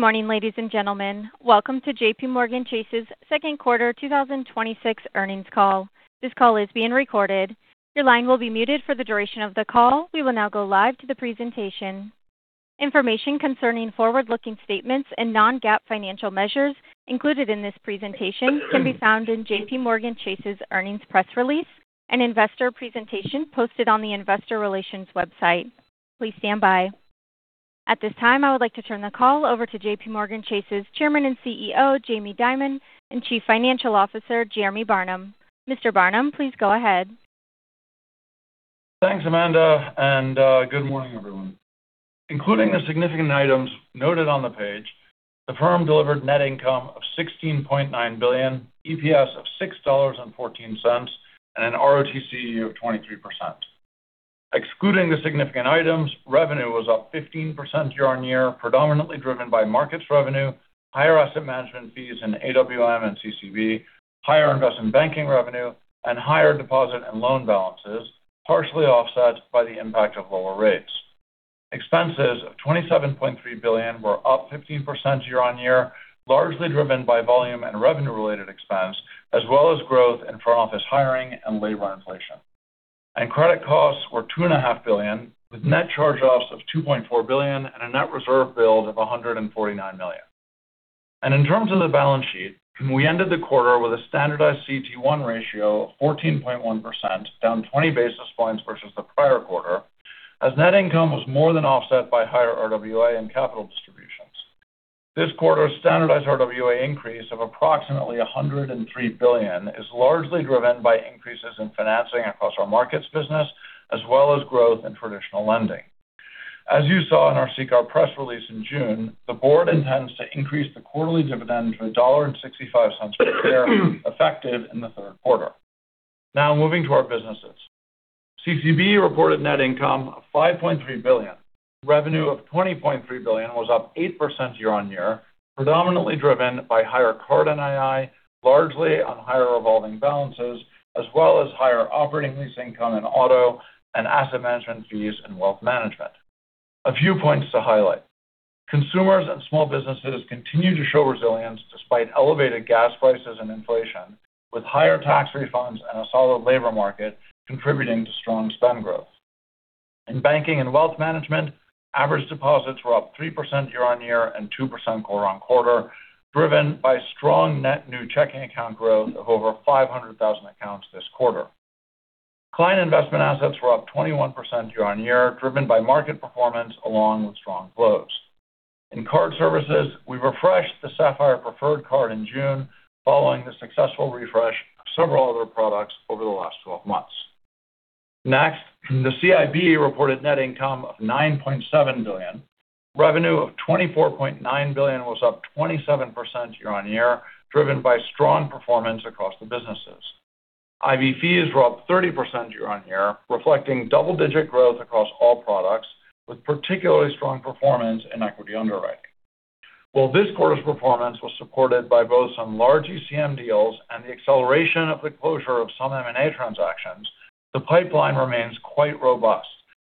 Good morning, ladies and gentlemen. Welcome to JPMorgan Chase's second quarter 2026 earnings call. This call is being recorded. Your line will be muted for the duration of the call. We will now go live to the presentation. Information concerning forward-looking statements and non-GAAP financial measures included in this presentation can be found in JPMorgan Chase's earnings press release and investor presentation posted on the investor relations website. Please stand by. At this time, I would like to turn the call over to JPMorgan Chase's Chairman and CEO, Jamie Dimon, and Chief Financial Officer, Jeremy Barnum. Mr. Barnum, please go ahead. Thanks, Amanda, and good morning, everyone. Including the significant items noted on the page, the firm delivered net income of $16.9 billion, EPS of $6.14, and an ROTCE of 23%. Excluding the significant items, revenue was up 15% year-on-year, predominantly driven by markets revenue, higher asset management fees in AWM and CCB, higher investment banking revenue, and higher deposit and loan balances, partially offset by the impact of lower rates. Expenses of $27.3 billion were up 15% year-on-year, largely driven by volume and revenue-related expense, as well as growth in front office hiring and labor inflation. Credit costs were $2.5 billion, with net charge-offs of $2.4 billion and a net reserve build of $149 million. In terms of the balance sheet, we ended the quarter with a standardized CET1 ratio of 14.1%, down 20 basis points versus the prior quarter, as net income was more than offset by higher RWA and capital distributions. This quarter's standardized RWA increase of approximately $103 billion is largely driven by increases in financing across our markets business, as well as growth in traditional lending. As you saw in our CCAR press release in June, the board intends to increase the quarterly dividend to $1.65 per share, effective in the third quarter. Moving to our businesses. CCB reported net income of $5.3 billion. Revenue of $20.3 billion was up 8% year-on-year, predominantly driven by higher card NII, largely on higher revolving balances, as well as higher operating lease income in auto and asset management fees in wealth management. A few points to highlight. Consumers and small businesses continue to show resilience despite elevated gas prices and inflation, with higher tax refunds and a solid labor market contributing to strong spend growth. In banking and wealth management, average deposits were up 3% year-on-year and 2% quarter-on-quarter, driven by strong net new checking account growth of over 500,000 accounts this quarter. Client investment assets were up 21% year-on-year, driven by market performance along with strong flows. In card services, we refreshed the Sapphire Preferred card in June, following the successful refresh of several other products over the last 12 months. The CIB reported net income of $9.7 billion. Revenue of $24.9 billion was up 27% year-on-year, driven by strong performance across the businesses. IB fees were up 30% year-on-year, reflecting double-digit growth across all products, with particularly strong performance in equity underwriting. While this quarter's performance was supported by both some large ECM deals and the acceleration of the closure of some M&A transactions, the pipeline remains quite robust,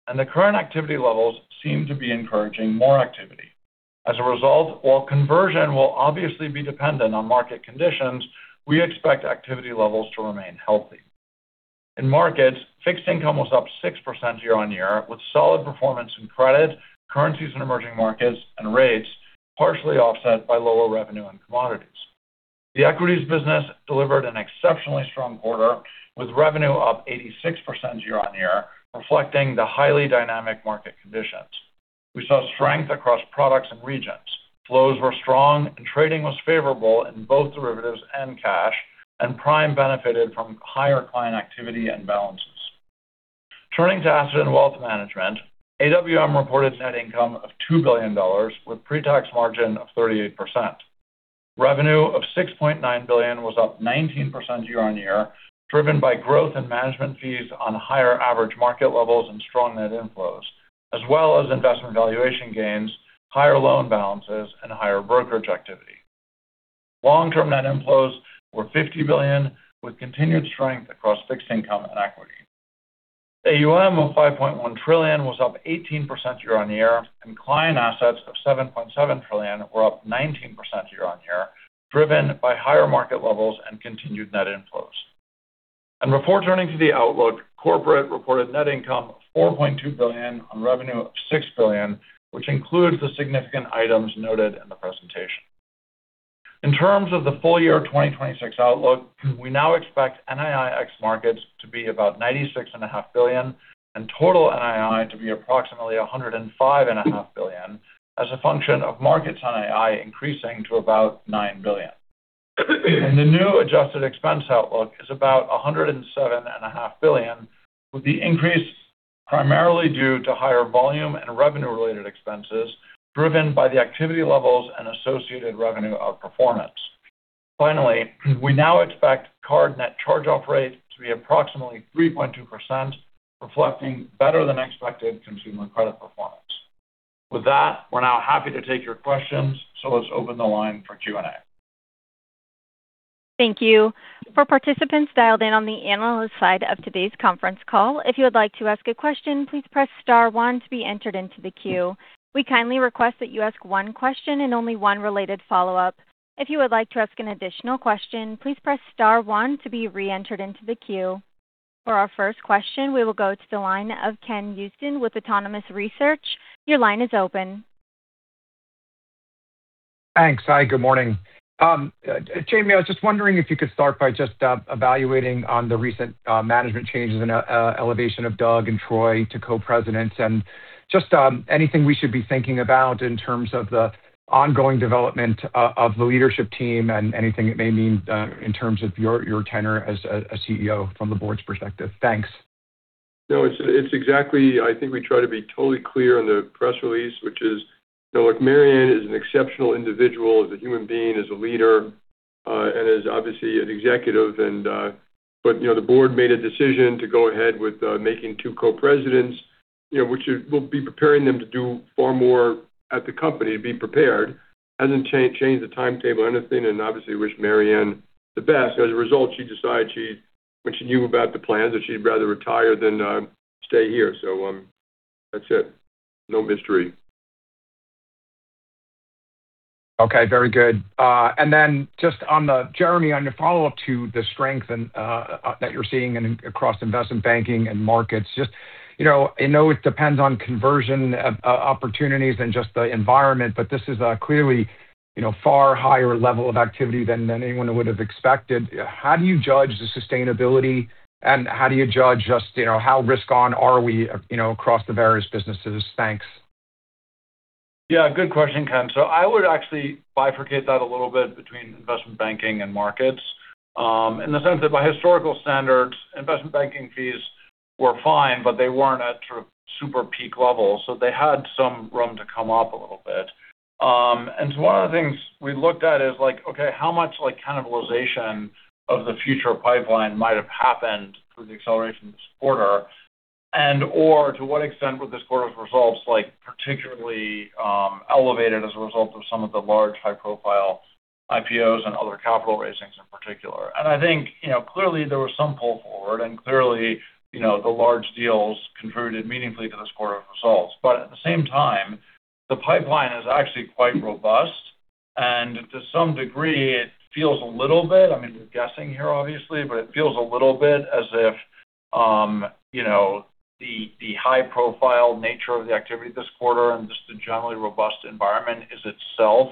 and the current activity levels seem to be encouraging more activity. As a result, while conversion will obviously be dependent on market conditions, we expect activity levels to remain healthy. In markets, fixed income was up 6% year-on-year, with solid performance in credit, currencies in emerging markets, and rates, partially offset by lower revenue and commodities. The equities business delivered an exceptionally strong quarter, with revenue up 86% year-on-year, reflecting the highly dynamic market conditions. We saw strength across products and regions. Flows were strong, and trading was favorable in both derivatives and cash, and Prime benefited from higher client activity and balances. Turning to asset and wealth management, AWM reported net income of $2 billion, with pre-tax margin of 38%. Revenue of $6.9 billion was up 19% year-on-year, driven by growth in management fees on higher average market levels and strong net inflows, as well as investment valuation gains, higher loan balances, and higher brokerage activity. Long-term net inflows were $50 billion, with continued strength across fixed income and equity. AUM of $5.1 trillion was up 18% year-on-year, and client assets of $7.7 trillion were up 19% year-on-year, driven by higher market levels and continued net inflows. Before turning to the outlook, corporate reported net income of $4.2 billion on revenue of $6 billion, which includes the significant items noted in the presentation. In terms of the full year 2026 outlook, we now expect NII ex-Markets to be about $96.5 billion, and total NII to be approximately $105.5 billion as a function of markets NII increasing to about $9 billion. The new adjusted expense outlook is about $107.5 billion, with the increase primarily due to higher volume and revenue-related expenses driven by the activity levels and associated revenue outperformance. Finally, we now expect card net charge-off rate to be approximately 3.2%, reflecting better-than-expected consumer credit performance. With that, we're now happy to take your questions, so let's open the line for Q&A. Thank you. For participants dialed in on the analyst side of today's conference call, if you would like to ask a question, please press star one to be entered into the queue. We kindly request that you ask one question and only one related follow-up. If you would like to ask an additional question, please press star one to be re-entered into the queue. For our first question, we will go to the line of Ken Usdin with Autonomous Research. Your line is open. Thanks. Hi, good morning. Jamie, I was just wondering if you could start by just evaluating on the recent management changes and elevation of Doug and Troy to co-presidents, and just anything we should be thinking about in terms of the ongoing development of the leadership team and anything it may mean in terms of your tenure as a CEO from the board's perspective. Thanks. It's exactly, I think we try to be totally clear on the press release, which is, look, Marianne is an exceptional individual as a human being, as a leader, and is obviously an executive. The board made a decision to go ahead with making two co-presidents, which will be preparing them to do far more at the company, be prepared. Hasn't changed the timetable or anything, and obviously wish Marianne the best. As a result, she decided, when she knew about the plans, that she'd rather retire than stay here. That's it. No mystery. Okay. Very good. Jeremy, on your follow-up to the strength that you're seeing across investment banking and markets, I know it depends on conversion opportunities and just the environment, but this is clearly far higher level of activity than anyone would have expected. How do you judge the sustainability, and how do you judge just how risk-on are we across the various businesses? Thanks. Good question, Ken. I would actually bifurcate that a little bit between investment banking and markets, in the sense that by historical standards, investment banking fees were fine, but they weren't at sort of super peak level. They had some room to come up a little bit. One of the things we looked at is, okay, how much cannibalization of the future pipeline might have happened through the acceleration this quarter? Or to what extent were this quarter's results particularly elevated as a result of some of the large high-profile IPOs and other capital raisings in particular. I think clearly there was some pull forward, and clearly the large deals contributed meaningfully to this quarter of results. At the same time, the pipeline is actually quite robust, and to some degree, it feels a little bit, we're guessing here obviously, but it feels a little bit as if the high profile nature of the activity this quarter and just the generally robust environment is itself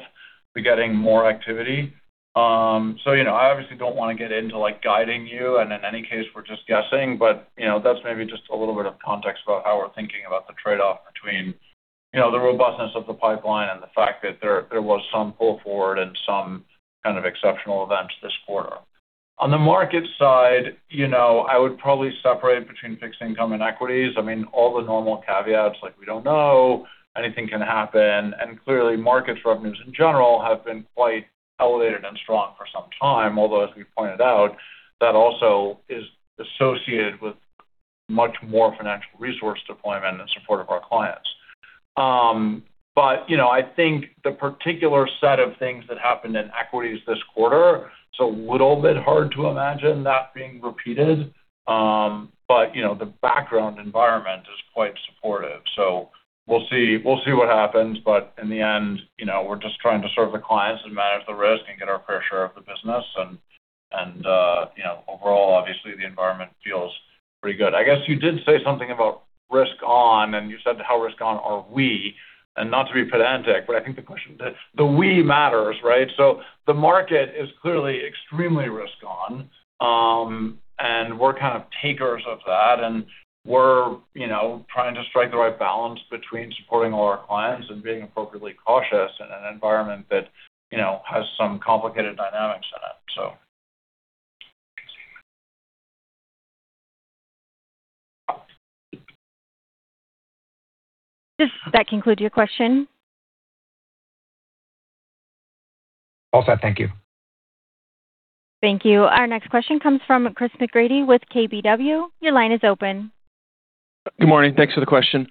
begetting more activity. I obviously don't want to get into guiding you, and in any case, we're just guessing. That's maybe just a little bit of context about how we're thinking about the trade-off between the robustness of the pipeline and the fact that there was some pull forward and some kind of exceptional events this quarter. On the market side, I would probably separate between fixed income and equities. All the normal caveats, like we don't know, anything can happen. Clearly, markets revenues in general have been quite elevated and strong for some time, although, as we pointed out, that also is associated with much more financial resource deployment in support of our clients. I think the particular set of things that happened in equities this quarter, it's a little bit hard to imagine that being repeated. The background environment is quite supportive. We'll see what happens. In the end, we're just trying to serve the clients and manage the risk and get our fair share of the business. Overall, obviously, the environment feels pretty good. I guess you did say something about risk on, and you said how risk on are we. Not to be pedantic, but I think the question, the we matters, right? The market is clearly extremely risk on, and we're kind of takers of that. We're trying to strike the right balance between supporting all our clients and being appropriately cautious in an environment that has some complicated dynamics in it. Does that conclude your question? All set. Thank you. Thank you. Our next question comes from Chris McGratty with KBW. Your line is open. Good morning. Thanks for the question.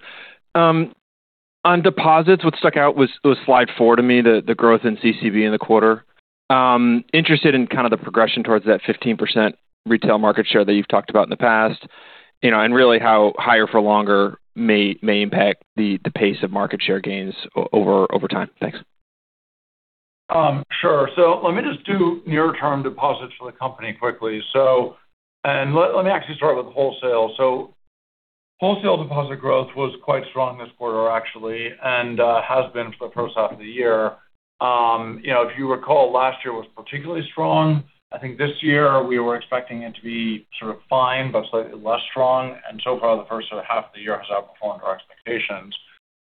On deposits, what stuck out was slide four to me, the growth in CCB in the quarter. Interested in kind of the progression towards that 15% retail market share that you've talked about in the past, and really how higher for longer may impact the pace of market share gains over time. Thanks. Sure. Let me just do near-term deposits for the company quickly. Let me actually start with wholesale. Wholesale deposit growth was quite strong this quarter, actually, and has been for the first half of the year. If you recall, last year was particularly strong. I think this year we were expecting it to be sort of fine, but slightly less strong. So far, the first sort of half of the year has outperformed our expectations.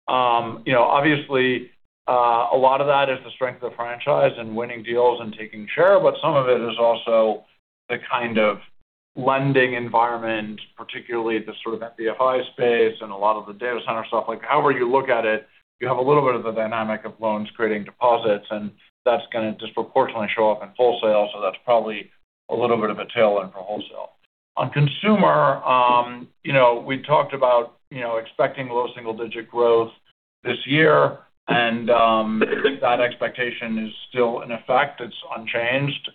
Obviously, a lot of that is the strength of the franchise and winning deals and taking share, but some of it is also the kind of lending environment, particularly the sort of BFI space and a lot of the data center stuff. However you look at it, you have a little bit of the dynamic of loans creating deposits, and that's going to disproportionately show up in wholesale. That's probably a little bit of a tailwind for wholesale. On consumer, we talked about expecting low single-digit growth this year, that expectation is still in effect. It's unchanged,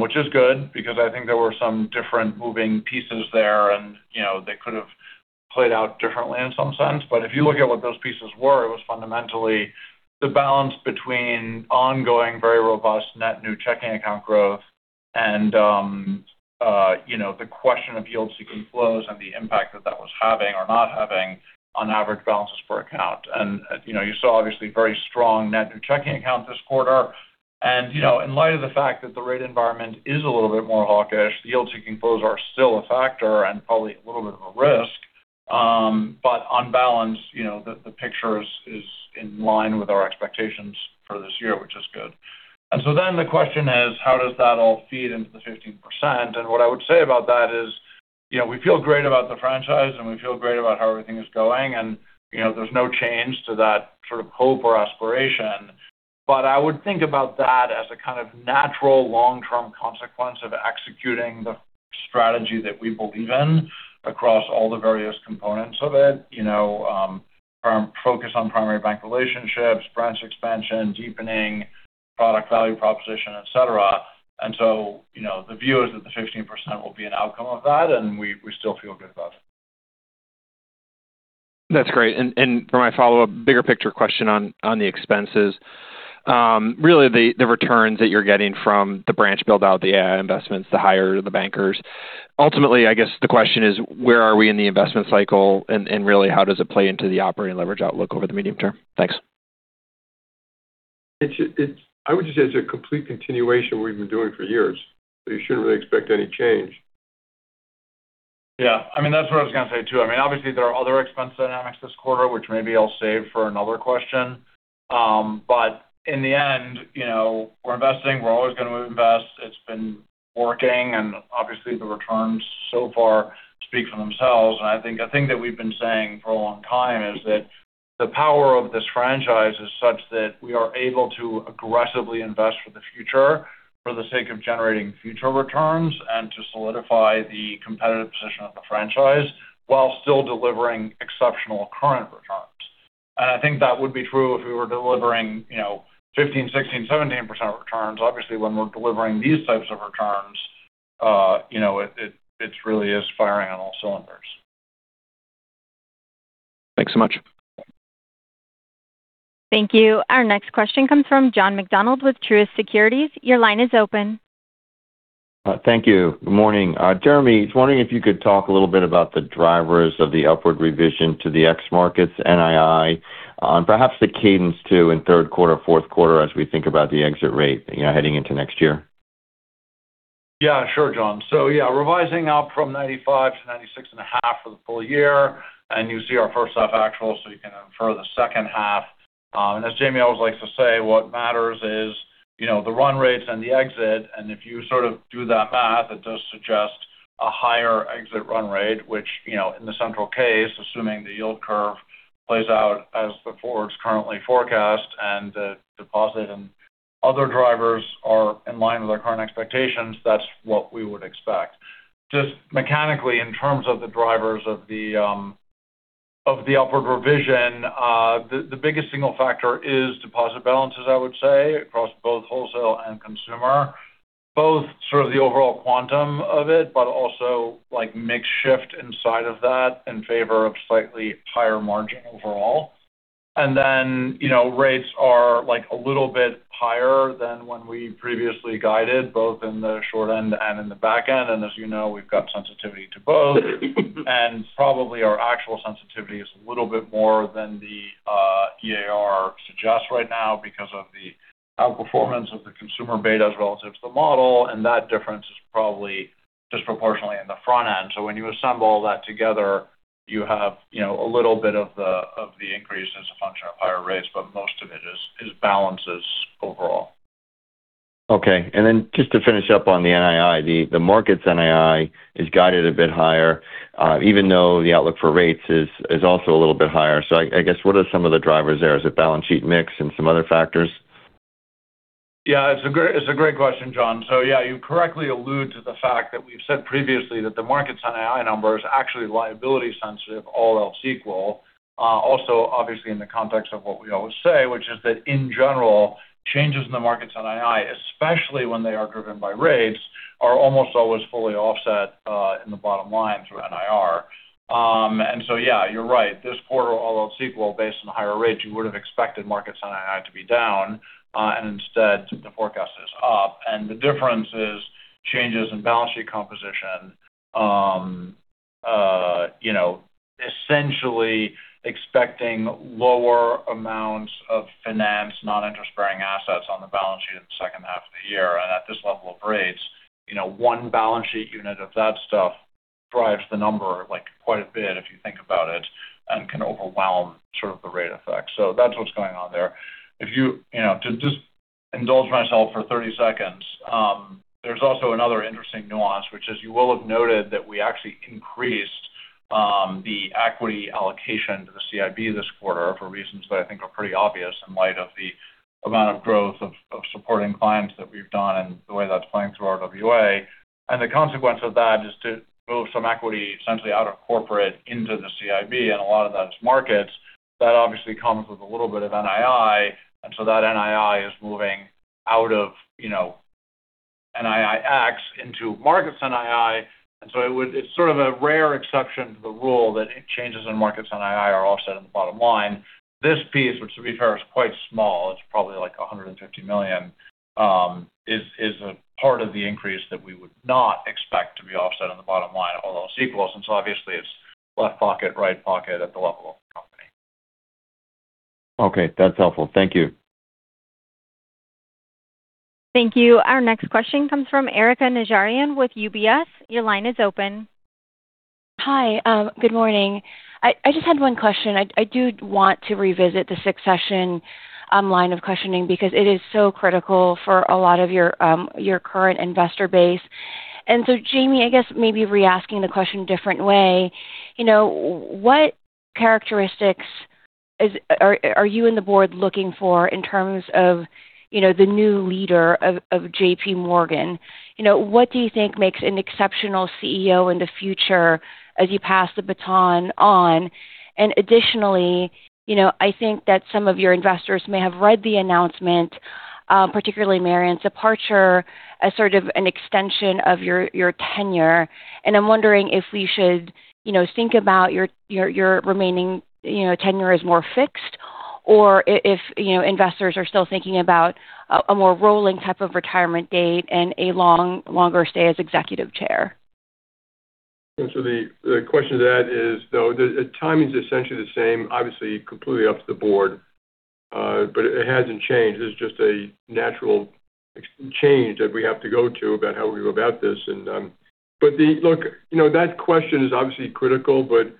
which is good because I think there were some different moving pieces there and they could have played out differently in some sense. If you look at what those pieces were, it was fundamentally the balance between ongoing very robust net new checking account growth and the question of yield-seeking flows and the impact that that was having or not having on average balances per account. You saw obviously very strong net new checking accounts this quarter. In light of the fact that the rate environment is a little bit more hawkish, yield-seeking flows are still a factor and probably a little bit of a risk. On balance, the picture is in line with our expectations for this year, which is good. The question is, how does that all feed into the 15%? What I would say about that is, we feel great about the franchise, and we feel great about how everything is going, and there's no change to that sort of hope or aspiration. I would think about that as a kind of natural long-term consequence of executing the strategy that we believe in across all the various components of it. From focus on primary bank relationships, branch expansion, deepening product-value proposition, et cetera. The view is that the 15% will be an outcome of that, and we still feel good about it. That's great. For my follow-up bigger picture question on the expenses. Really, the returns that you're getting from the branch build-out, the AI investments, the hire of the bankers. Ultimately, I guess the question is, where are we in the investment cycle? Really, how does it play into the operating leverage outlook over the medium term? Thanks. I would just say it's a complete continuation of what we've been doing for years. You shouldn't really expect any change. That's what I was going to say too. Obviously there are other expense dynamics this quarter, which maybe I'll save for another question. In the end, we're investing, we're always going to invest. It's been working, obviously, the returns so far speak for themselves. I think the thing that we've been saying for a long time is that the power of this franchise is such that we are able to aggressively invest for the future for the sake of generating future returns and to solidify the competitive position of the franchise while still delivering exceptional current returns. I think that would be true if we were delivering 15%, 16%, 17% returns. Obviously, when we're delivering these types of returns, it really is firing on all cylinders. Thanks so much. Thank you. Our next question comes from John McDonald with Truist Securities. Your line is open. Thank you. Good morning. Jeremy, I was wondering if you could talk a little bit about the drivers of the upward revision to the NII ex-Markets on perhaps the cadence too in third quarter, fourth quarter, as we think about the exit rate heading into next year. Sure, John. Revising up from $95 billion-$96.5 billion for the full year, and you see our first half actual, so you can infer the second half. As Jamie always likes to say, what matters is the run rates and the exit. If you sort of do that math, it does suggest a higher exit run rate, which, in the central case, assuming the yield curve plays out as the forwards currently forecast and the deposit and other drivers are in line with our current expectations, that's what we would expect. Just mechanically, in terms of the drivers of the upward revision, the biggest single factor is deposit balances, I would say, across both wholesale and consumer. Both sort of the overall quantum of it, but also like mix shift inside of that in favor of slightly higher margin overall. Rates are a little bit higher than when we previously guided, both in the short end and in the back end. As you know, we've got sensitivity to both. Probably our actual sensitivity is a little bit more than the EAR suggests right now because of the outperformance of the consumer betas relative to the model, and that difference is probably disproportionately in the front end. When you assemble that together, you have a little bit of the increase as a function of higher rates, but most of it is balances overall. Okay. Just to finish up on the NII. The markets NII is guided a bit higher, even though the outlook for rates is also a little bit higher. I guess what are some of the drivers there? Is it balance sheet mix and some other factors? It's a great question, John. You correctly allude to the fact that we've said previously that the markets NII number is actually liability sensitive, all else equal. Obviously in the context of what we always say, which is that in general, changes in the markets NII, especially when they are driven by rates, are almost always fully offset in the bottom line through NIR. You're right. This quarter, all else equal, based on the higher rates, you would have expected markets NII to be down, and instead the forecast is up. The difference is changes in balance sheet composition, essentially expecting lower amounts of finance, non-interest-bearing assets on the balance sheet in the second half of the year. At this level of rates, one balance sheet unit of that stuff drives the number quite a bit if you think about it, and can overwhelm sort of the rate effect. That's what's going on there. To just indulge myself for 30 seconds, there's also another interesting nuance, which is you will have noted that we actually increased the equity allocation to the CIB this quarter for reasons that I think are pretty obvious in light of the amount of growth of supporting clients that we've done and the way that's playing through our RWA. The consequence of that is to move some equity essentially out of corporate into the CIB, a lot of that is markets. That obviously comes with a little bit of NII, that NII is moving out of NII ex-Markets into markets NII. It's sort of a rare exception to the rule that changes in markets NII are offset in the bottom line. This piece, which to be fair, is quite small, it's probably like $150 million, is a part of the increase that we would not expect to be offset on the bottom line, all else equal. Obviously it's left pocket, right pocket at the level of the company. Okay, that's helpful. Thank you. Thank you. Our next question comes from Erika Najarian with UBS. Your line is open. Hi. Good morning. I just had one question. I do want to revisit the succession line of questioning because it is so critical for a lot of your current investor base. Jamie, I guess maybe re-asking the question a different way. What characteristics are you and the board looking for in terms of the new leader of JPMorgan? What do you think makes an exceptional CEO in the future as you pass the baton on? Additionally, I think that some of your investors may have read the announcement, particularly Marianne's departure as sort of an extension of your tenure. I'm wondering if we should think about your remaining tenure as more fixed or if investors are still thinking about a more rolling type of retirement date and a longer stay as executive chair. The question to that is, though the timing's essentially the same, obviously completely up to the board, but it hasn't changed. It's just a natural change that we have to go to about how we go about this. Look, that question is obviously critical, but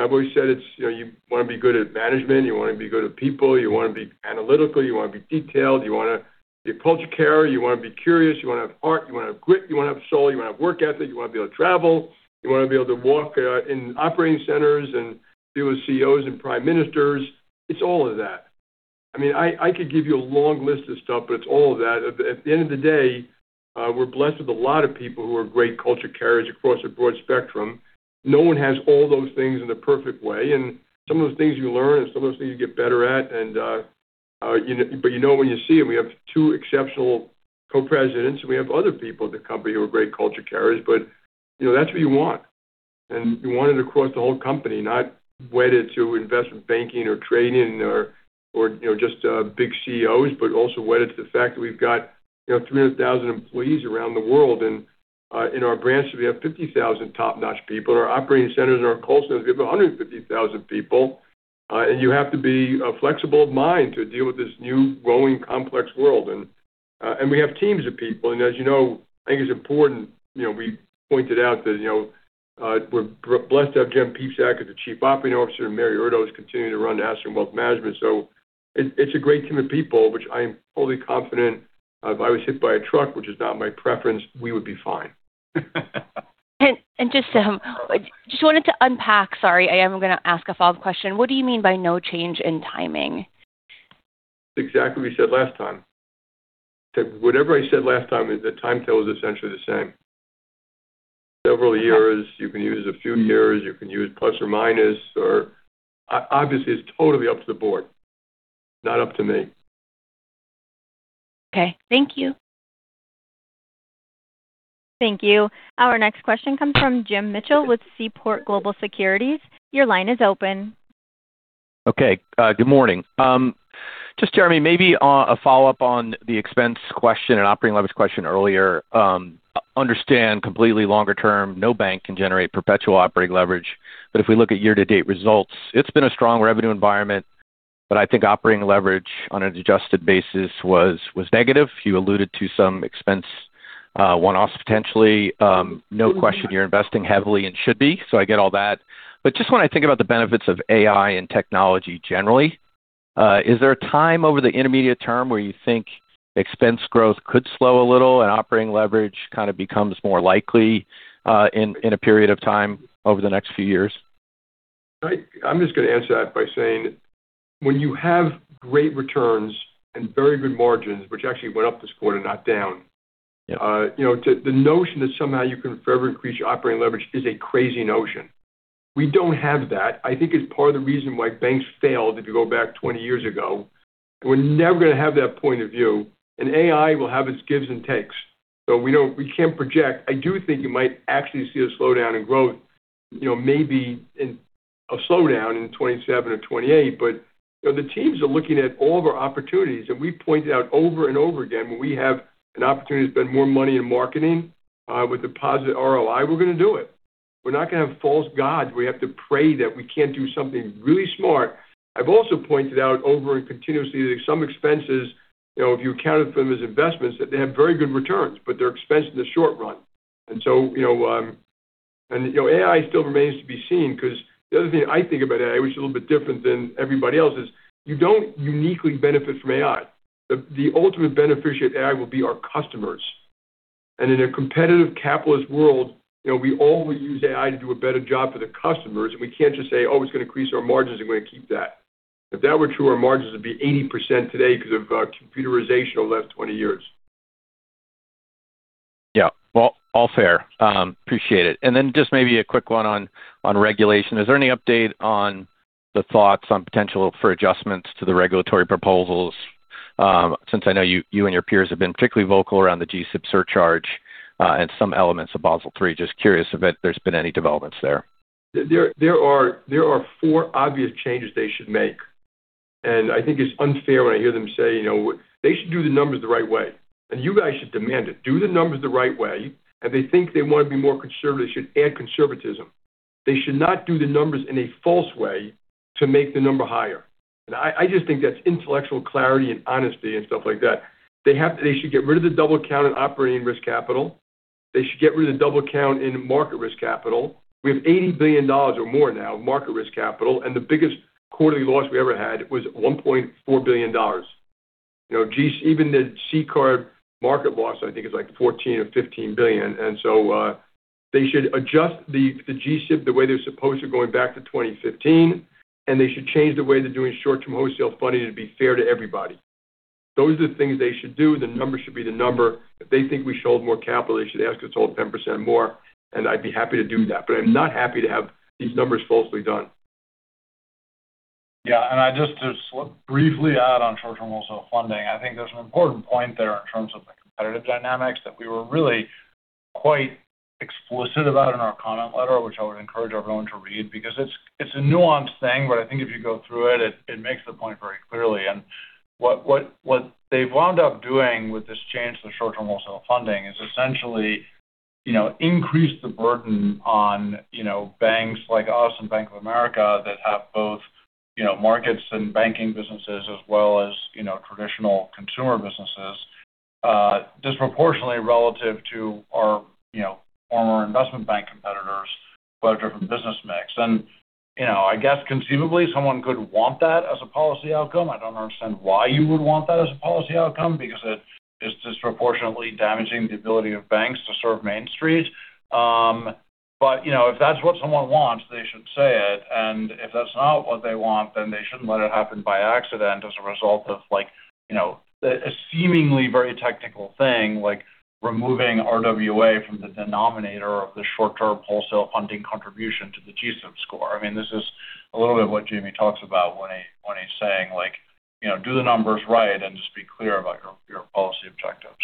I've always said you want to be good at management, you want to be good at people, you want to be analytical, you want to be detailed, you want to be a culture carrier, you want to be curious, you want to have heart, you want to have grit, you want to have soul, you want to have work ethic, you want to be able to travel, you want to be able to walk in operating centers and be with CEOs and prime ministers. It's all of that. I could give you a long list of stuff, but it's all of that. At the end of the day, we're blessed with a lot of people who are great culture carriers across a broad spectrum. No one has all those things in a perfect way, and some of those things you learn, and some of those things you get better at. You know it when you see it. We have two exceptional co-presidents, we have other people at the company who are great culture carriers, but that's what you want. You want it across the whole company, not weighted to investment banking or trading or just big CEOs, but also weighted to the fact that we've got 300,000 employees around the world. In our branches, we have 50,000 top-notch people. In our operating centers and our call centers, we have 150,000 people. You have to be a flexible mind to deal with this new growing complex world. We have teams of people. As you know, I think it's important, we pointed out that we're blessed to have Jen Piepszak as the Chief Operating Officer, and Mary Erdoes continuing to run Asset & Wealth Management. It's a great team of people, which I am fully confident if I was hit by a truck, which is not my preference, we would be fine. Just wanted to unpack, sorry, I am going to ask a follow-up question. What do you mean by no change in timing? Exactly what we said last time. Whatever I said last time, the timetable is essentially the same. Several years, you can use a few years, you can use plus or minus, or obviously, it's totally up to the board, not up to me. Okay. Thank you. Thank you. Our next question comes from Jim Mitchell with Seaport Global Securities. Your line is open. Okay, good morning. Jeremy, maybe a follow-up on the expense question and operating leverage question earlier. Understand completely longer term, no bank can generate perpetual operating leverage. If we look at year-to-date results, it's been a strong revenue environment, but I think operating leverage on an adjusted basis was negative. You alluded to some expense one-offs potentially. No question you're investing heavily and should be, so I get all that. Just when I think about the benefits of AI and technology generally, is there a time over the intermediate term where you think expense growth could slow a little and operating leverage kind of becomes more likely in a period of time over the next few years? I'm just going to answer that by saying when you have great returns and very good margins, which actually went up this quarter, not down Yeah The notion that somehow you can forever increase your operating leverage is a crazy notion. We don't have that. I think it's part of the reason why banks failed, if you go back 20 years ago. We're never going to have that point of view. AI will have its gives and takes. We can't project. I do think you might actually see a slowdown in growth, maybe a slowdown in 2027 or 2028. The teams are looking at all of our opportunities, and we pointed out over and over again when we have an opportunity to spend more money in marketing, with deposit ROI, we're going to do it. We're not going to have false gods. We have to pray that we can't do something really smart. I've also pointed out over and continuously that some expenses, if you accounted for them as investments, that they have very good returns, but they're expensive in the short run. AI still remains to be seen because the other thing I think about AI, which is a little bit different than everybody else, is you don't uniquely benefit from AI. The ultimate beneficiary of AI will be our customers. In a competitive capitalist world, we always use AI to do a better job for the customers, and we can't just say, "Oh, it's going to increase our margins and we're going to keep that." If that were true, our margins would be 80% today because of computerization over the last 20 years. Yeah. Well, all fair. Appreciate it. Just maybe a quick one on regulation. Is there any update on the thoughts on potential for adjustments to the regulatory proposals? Since I know you and your peers have been particularly vocal around the G-SIB surcharge, and some elements of Basel III. Just curious if there's been any developments there. There are four obvious changes they should make. I think it's unfair when I hear them say, they should do the numbers the right way, and you guys should demand it. Do the numbers the right way. If they think they want to be more conservative, they should add conservatism. They should not do the numbers in a false way to make the number higher. I just think that's intellectual clarity and honesty, and stuff like that. They should get rid of the double count in operating risk capital. They should get rid of the double count in market risk capital. We have $80 billion or more now of market risk capital, and the biggest quarterly loss we ever had was $1.4 billion. Even the CCAR market loss, I think it's like $14 billion or $15 billion. They should adjust the G-SIB the way they're supposed to going back to 2015, and they should change the way they're doing short-term wholesale funding to be fair to everybody. Those are the things they should do. The number should be the number. If they think we should hold more capital, they should ask us to hold 10% more, and I'd be happy to do that. I'm not happy to have these numbers falsely done. Yeah. Just to briefly add on short-term wholesale funding, I think there's an important point there in terms of the competitive dynamics that we were really quite explicit about in our comment letter, which I would encourage everyone to read because it's a nuanced thing, but I think if you go through it makes the point very clearly. What they've wound up doing with this change to the short-term wholesale funding is essentially increase the burden on banks like us and Bank of America that have both markets and banking businesses as well as traditional consumer businesses, disproportionately relative to our former investment bank competitors who have a different business mix. I guess conceivably someone could want that as a policy outcome. I don't understand why you would want that as a policy outcome, because it is disproportionately damaging the ability of banks to serve Main Street. If that's what someone wants, they should say it, and if that's not what they want, then they shouldn't let it happen by accident as a result of a seemingly very technical thing, like removing RWA from the denominator of the short-term wholesale funding contribution to the G-SIB score. I mean, this is a little bit of what Jamie talks about when he's saying like, do the numbers right and just be clear about your policy objectives.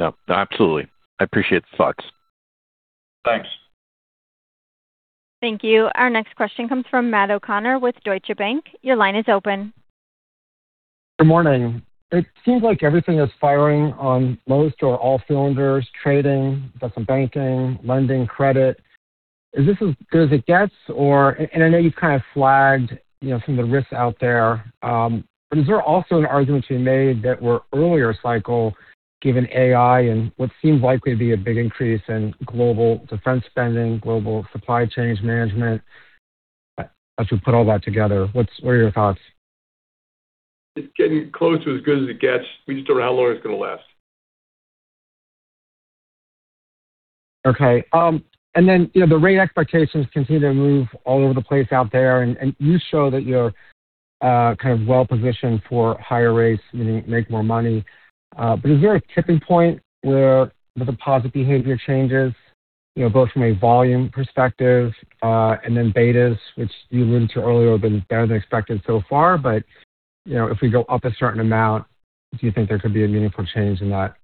No, absolutely. I appreciate the thoughts. Thanks. Thank you. Our next question comes from Matt O'Connor with Deutsche Bank. Your line is open. Good morning. It seems like everything is firing on most or all cylinders, trading, investment banking, lending, credit. Is this as good as it gets, or, and I know you've kind of flagged some of the risks out there, but is there also an argument to be made that we're earlier cycle given AI and what seems likely to be a big increase in global defense spending, global supply chains management? As we put all that together, what are your thoughts? It's getting close to as good as it gets. We just don't know how long it's going to last. Okay. The rate expectations continue to move all over the place out there, and you show that you're kind of well-positioned for higher rates, you make more money. Is there a tipping point where the deposit behavior changes, both from a volume perspective, and then betas, which you alluded to earlier, have been better than expected so far, if we go up a certain amount, do you think there could be a meaningful change in that?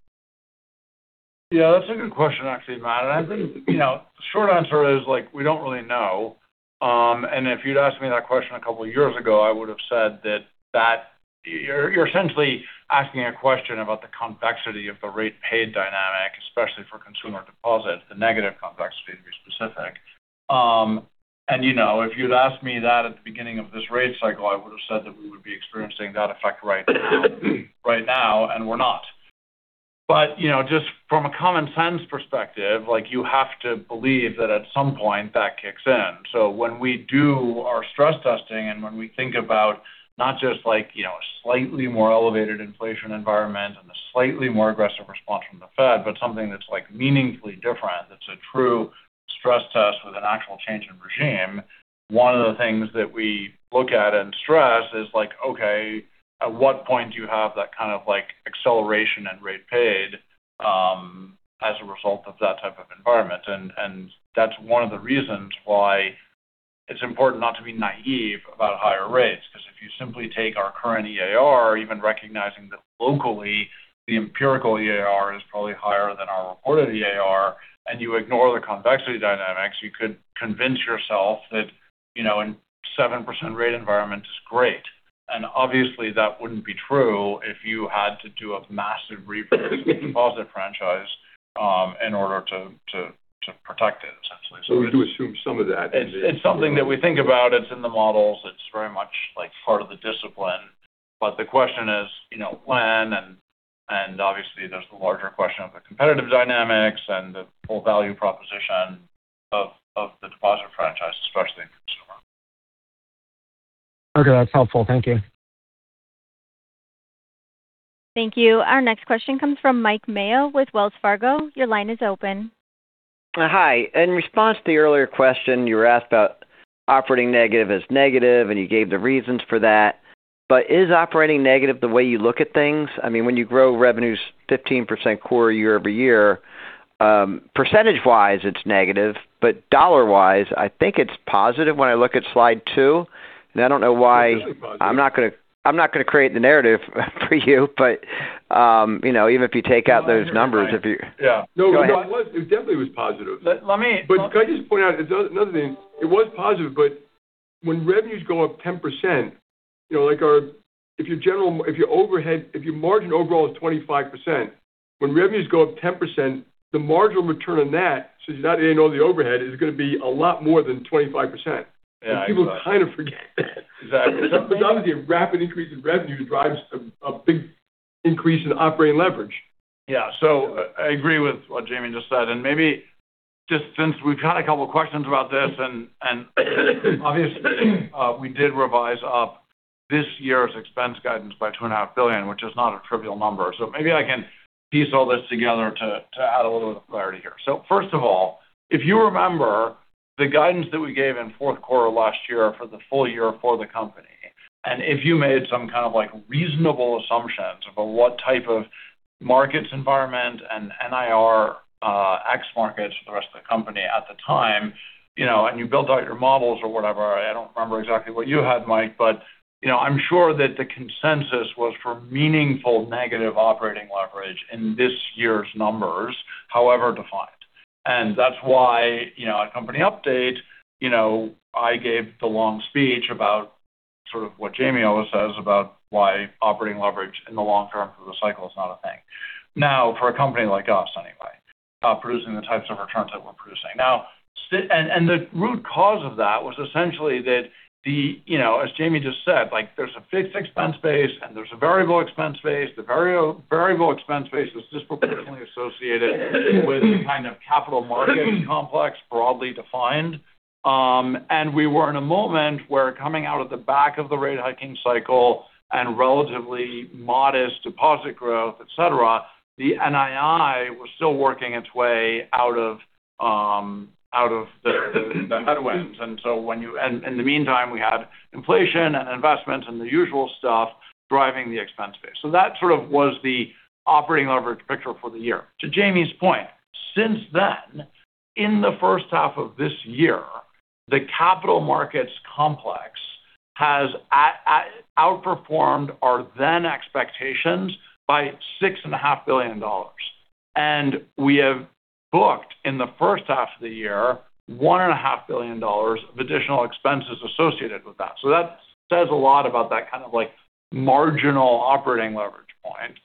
Yeah, that's a good question actually, Matt. I think the short answer is we don't really know. If you'd asked me that question a couple of years ago, I would have said that you're essentially asking a question about the convexity of the rate paid dynamic, especially for consumer deposits, the negative convexity to be specific. If you'd asked me that at the beginning of this rate cycle, I would have said that we would be experiencing that effect right now, and we're not. Just from a common sense perspective, you have to believe that at some point that kicks in. When we do our stress testing and when we think about not just a slightly more elevated inflation environment and a slightly more aggressive response from the Fed, but something that's meaningfully different, that's a true stress test with an actual change in regime, one of the things that we look at in stress is like, okay, at what point do you have that kind of acceleration and rate paid as a result of that type of environment? That's one of the reasons why it's important not to be naïve about higher rates. Because if you simply take our current EAR, even recognizing that locally the empirical EAR is probably higher than our reported EAR, and you ignore the convexity dynamics, you could convince yourself that a 7% rate environment is great. Obviously that wouldn't be true if you had to do a massive repurchase of the deposit franchise in order to protect it, essentially. We do assume some of that. It's something that we think about. It's in the models. It's very much part of the discipline. The question is when, and obviously there's the larger question of the competitive dynamics and the full value proposition of the deposit franchise especially. Okay, that's helpful. Thank you. Thank you. Our next question comes from Mike Mayo with Wells Fargo. Your line is open. Hi. In response to the earlier question, you were asked about operating negative as negative, and you gave the reasons for that. Is operating negative the way you look at things? When you grow revenues 15% quarter year-over-year, percentage wise it's negative, but dollar wise, I think it's positive when I look at slide two. I don't know why. It is positive I'm not going to create the narrative for you, even if you take out those numbers, if you. Yeah. No, it definitely was positive. Let me. Can I just point out another thing? It was positive, but when revenues go up 10%, if your margin overall is 25%, when revenues go up 10%, the marginal return on that, since you're not adding all the overhead, is going to be a lot more than 25%. Yeah, I got it. People kind of forget that. Exactly. Obviously, a rapid increase in revenue drives a big increase in operating leverage. Yeah. I agree with what Jamie just said. Maybe just since we've had a couple of questions about this and obviously we did revise up this year's expense guidance by $2.5 billion, which is not a trivial number. Maybe I can piece all this together to add a little bit of clarity here. First of all, if you remember the guidance that we gave in fourth quarter last year for the full year for the company, and if you made some kind of reasonable assumptions about what type of markets environment and NII ex-Markets for the rest of the company at the time, and you build out your models or whatever. I don't remember exactly what you had, Mike, but I'm sure that the consensus was for meaningful negative operating leverage in this year's numbers, however defined. That's why at company update, I gave the long speech about sort of what Jamie always says about why operating leverage in the long term for the cycle is not a thing. Now for a company like us anyway producing the types of returns that we're producing. The root cause of that was essentially that the, as Jamie just said, there's a fixed expense base and there's a variable expense base. The variable expense base is disproportionately associated with kind of capital markets complex, broadly defined. We were in a moment where coming out of the back of the rate hiking cycle and relatively modest deposit growth, et cetera, the NII was still working its way out of the headwinds. In the meantime, we had inflation and investment and the usual stuff driving the expense base. That sort of was the operating leverage picture for the year. To Jamie's point, since then, in the first half of this year, the capital markets complex has outperformed our then expectations by $6.5 billion. We have booked in the first half of the year, $1.5 billion of additional expenses associated with that. That says a lot about that kind of marginal operating leverage point.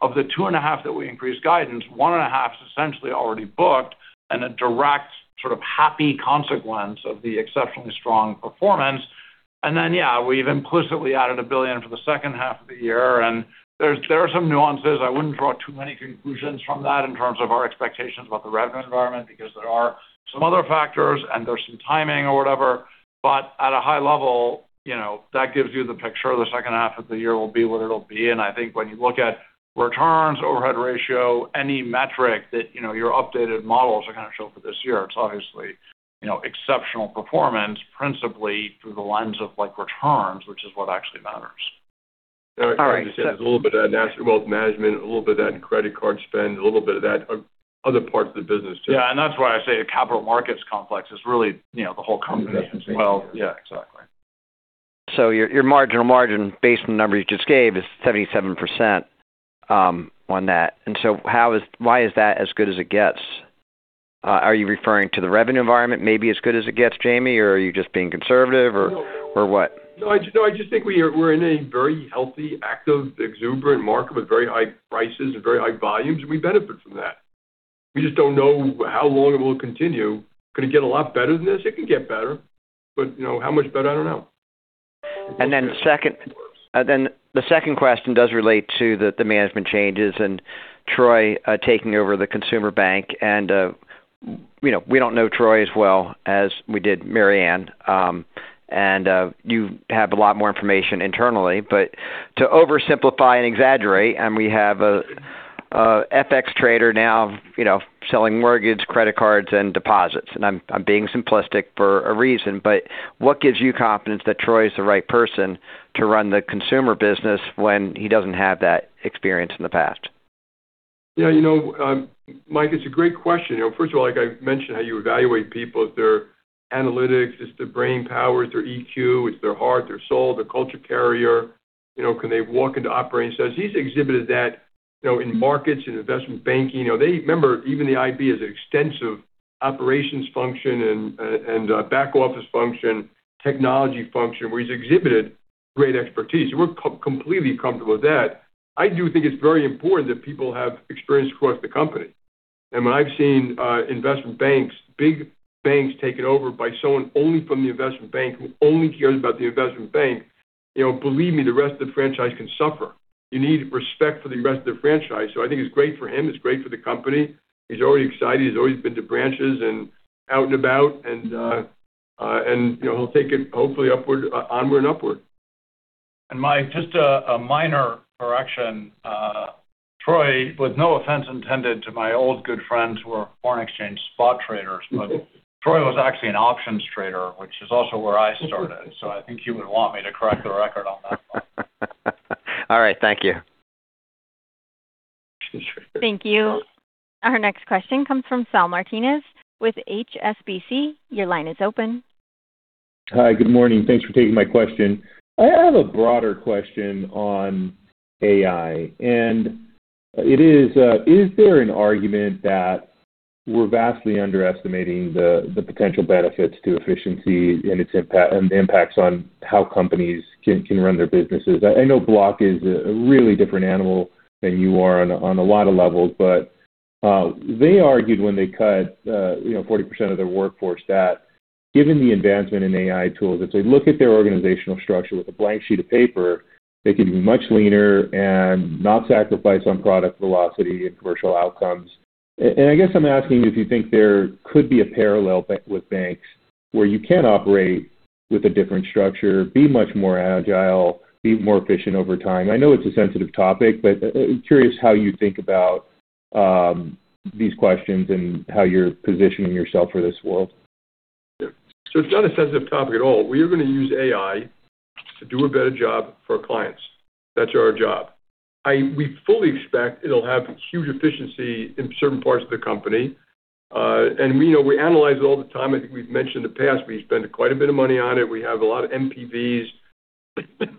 Of the $2.5 billion that we increased guidance, $1.5 billion is essentially already booked in a direct sort of happy consequence of the exceptionally strong performance. We've implicitly added $1 billion for the second half of the year, and there are some nuances. I wouldn't draw too many conclusions from that in terms of our expectations about the revenue environment because there are some other factors and there's some timing or whatever. At a high level, that gives you the picture of the second half of the year will be what it'll be. I think when you look at returns, overhead ratio, any metric that your updated models show for this year, it's obviously exceptional performance principally through the lens of returns, which is what actually matters. There's a little bit of that in Asset & Wealth Management, a little bit of that in credit card spend, a little bit of that other parts of the business too. That's why I say a capital markets complex is really the whole company as well. Yeah, exactly. Your marginal margin based on the number you just gave is 77% on that. Why is that as good as it gets? Are you referring to the revenue environment may be as good as it gets, Jamie? Or are you just being conservative or what? No, I just think we're in a very healthy, active, exuberant market with very high prices and very high volumes, and we benefit from that. We just don't know how long it will continue. Could it get a lot better than this? It can get better, but how much better? I don't know. The second question does relate to the management changes and Troy taking over the consumer bank. We don't know Troy as well as we did Marianne. You have a lot more information internally. To oversimplify and exaggerate, we have an FX trader now selling mortgage, credit cards, and deposits. I'm being simplistic for a reason, but what gives you confidence that Troy is the right person to run the consumer business when he doesn't have that experience in the past? Yeah. Mike, it's a great question. First of all, like I mentioned, how you evaluate people is their analytics, it's their brain power, it's their EQ, it's their heart, their soul, their culture carrier. Can they walk into operating? He's exhibited that in markets, in investment banking. Remember, even the IB is an extensive operations function and back office function, technology function where he's exhibited great expertise. We're completely comfortable with that. I do think it's very important that people have experience across the company. When I've seen investment banks, big banks taken over by someone only from the investment bank who only cares about the investment bank Believe me, the rest of the franchise can suffer. You need respect for the rest of the franchise. I think it's great for him. It's great for the company. He's already excited. He's always been to branches and out and about, and he'll take it hopefully onward and upward. Mike, just a minor correction. Troy, with no offense intended to my old good friends who are foreign exchange spot traders, but Troy was actually an options trader, which is also where I started, so I think he would want me to correct the record on that. All right. Thank you. Options trader. Thank you. Our next question comes from Saul Martinez with HSBC. Your line is open. Hi. Good morning. Thanks for taking my question. I have a broader question on AI, and it is: is there an argument that we're vastly underestimating the potential benefits to efficiency and the impacts on how companies can run their businesses? I know Block is a really different animal than you are on a lot of levels, but they argued when they cut 40% of their workforce that given the advancement in AI tools, if they look at their organizational structure with a blank sheet of paper, they could be much leaner and not sacrifice on product velocity and commercial outcomes. I guess I'm asking if you think there could be a parallel with banks where you can operate with a different structure, be much more agile, be more efficient over time. I know it's a sensitive topic. I'm curious how you think about these questions and how you're positioning yourself for this world. It's not a sensitive topic at all. We are going to use AI to do a better job for our clients. That's our job. We fully expect it'll have huge efficiency in certain parts of the company. We analyze it all the time. I think we've mentioned in the past, we spend quite a bit of money on it. We have a lot of MVPs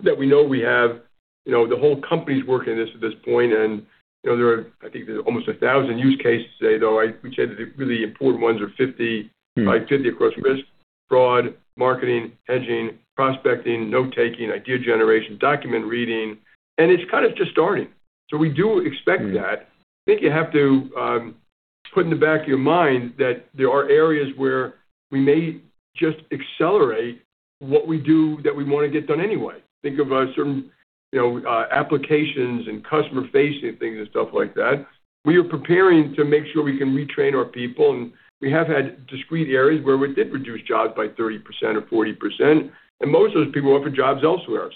that we know we have. The whole company's working this at this point. I think there's almost 1,000 use cases today, though we'd say that the really important ones are 50 across risk, fraud, marketing, hedging, prospecting, note-taking, idea generation, document reading. It's kind of just starting. We do expect that. I think you have to put in the back of your mind that there are areas where we may just accelerate what we do that we'd want to get done anyway. Think of certain applications and customer-facing things and stuff like that. We are preparing to make sure we can retrain our people. We have had discrete areas where we did reduce jobs by 30% or 40%, and most of those people offered jobs elsewhere.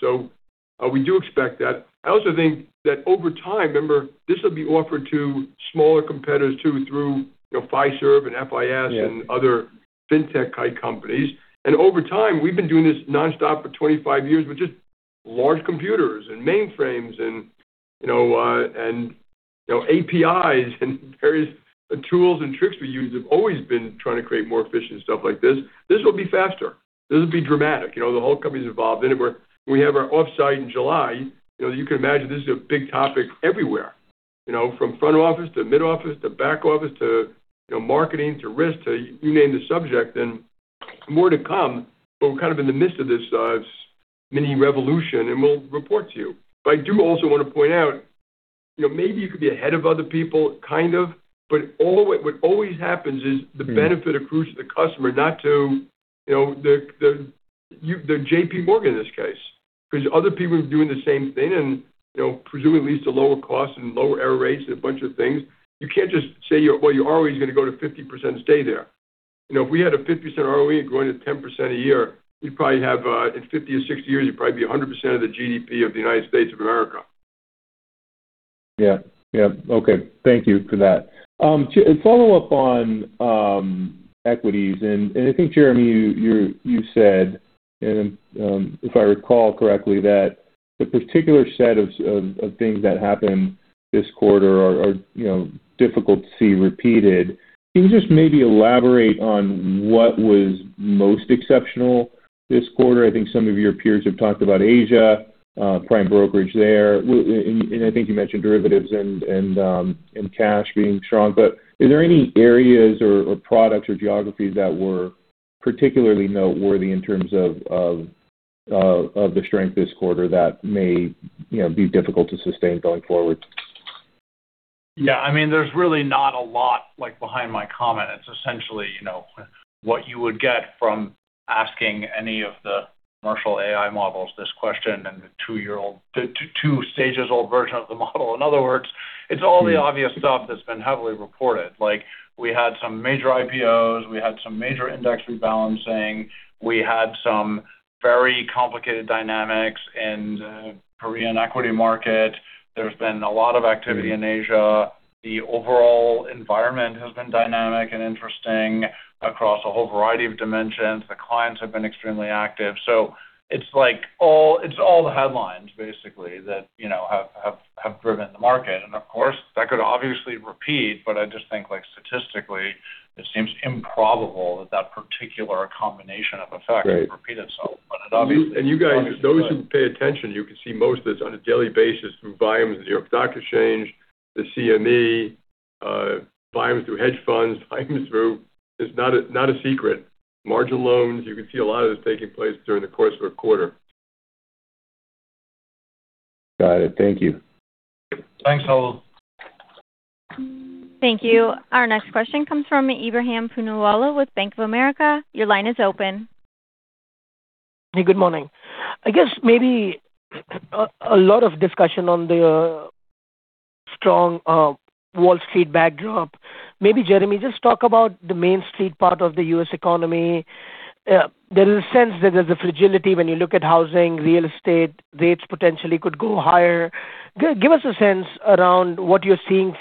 We do expect that. I also think that over time, remember, this will be offered to smaller competitors too, through Fiserv and FIS and other fintech companies. Over time, we've been doing this nonstop for 25 years with just large computers and mainframes and APIs and various tools and tricks we use. We've always been trying to create more efficient stuff like this. This will be faster. This will be dramatic. The whole company's involved in it. When we have our offsite in July, you can imagine this is a big topic everywhere from front office to mid office to back office to marketing to risk to you name the subject, and more to come. We're kind of in the midst of this mini revolution, and we'll report to you. I do also want to point out, maybe you could be ahead of other people, kind of, but what always happens is the benefit accrues to the customer, not to JPMorgan in this case. Because other people are doing the same thing and presumably it leads to lower costs and lower error rates and a bunch of things. You can't just say, "Well, your ROE is going to go to 50% and stay there." If we had a 50% ROE and growing at 10% a year, we'd probably have, in 50 or 60 years, you'd probably be 100% of the GDP of the United States of America. Yeah. Okay. Thank you for that. To follow up on equities, I think, Jeremy, you said, and if I recall correctly, that the particular set of things that happened this quarter are difficult to see repeated. Can you just maybe elaborate on what was most exceptional this quarter? I think some of your peers have talked about Asia, prime brokerage there, I think you mentioned derivatives and cash being strong. Are there any areas or products or geographies that were particularly noteworthy in terms of the strength this quarter that may be difficult to sustain going forward? Yeah. There's really not a lot behind my comment. It's essentially what you would get from asking any of the commercial AI models this question, and the two stages old version of the model. In other words, it's all the obvious stuff that's been heavily reported. We had some major IPOs. We had some major index rebalancing. We had some very complicated dynamics in the Korean equity market. There's been a lot of activity in Asia. The overall environment has been dynamic and interesting across a whole variety of dimensions. The clients have been extremely active. It's all the headlines basically that have driven the market. Of course, that could obviously repeat, I just think statistically, it seems improbable that that particular combination of effects would repeat itself. It obviously could. You guys, those who pay attention, you can see most of this on a daily basis through volumes of the New York Stock Exchange, the CME, volumes through hedge funds. It's not a secret. Margin loans. You can see a lot of this taking place during the course of a quarter. Got it. Thank you. Thanks, Saul. Thank you. Our next question comes from Ebrahim Poonawala with Bank of America. Your line is open. Hey, good morning. I guess maybe a lot of discussion on the strong Wall Street backdrop. Maybe Jeremy, just talk about the Main Street part of the U.S. economy. There is a sense that there's a fragility when you look at housing, real estate, rates potentially could go higher. Give us a sense around what you're seeing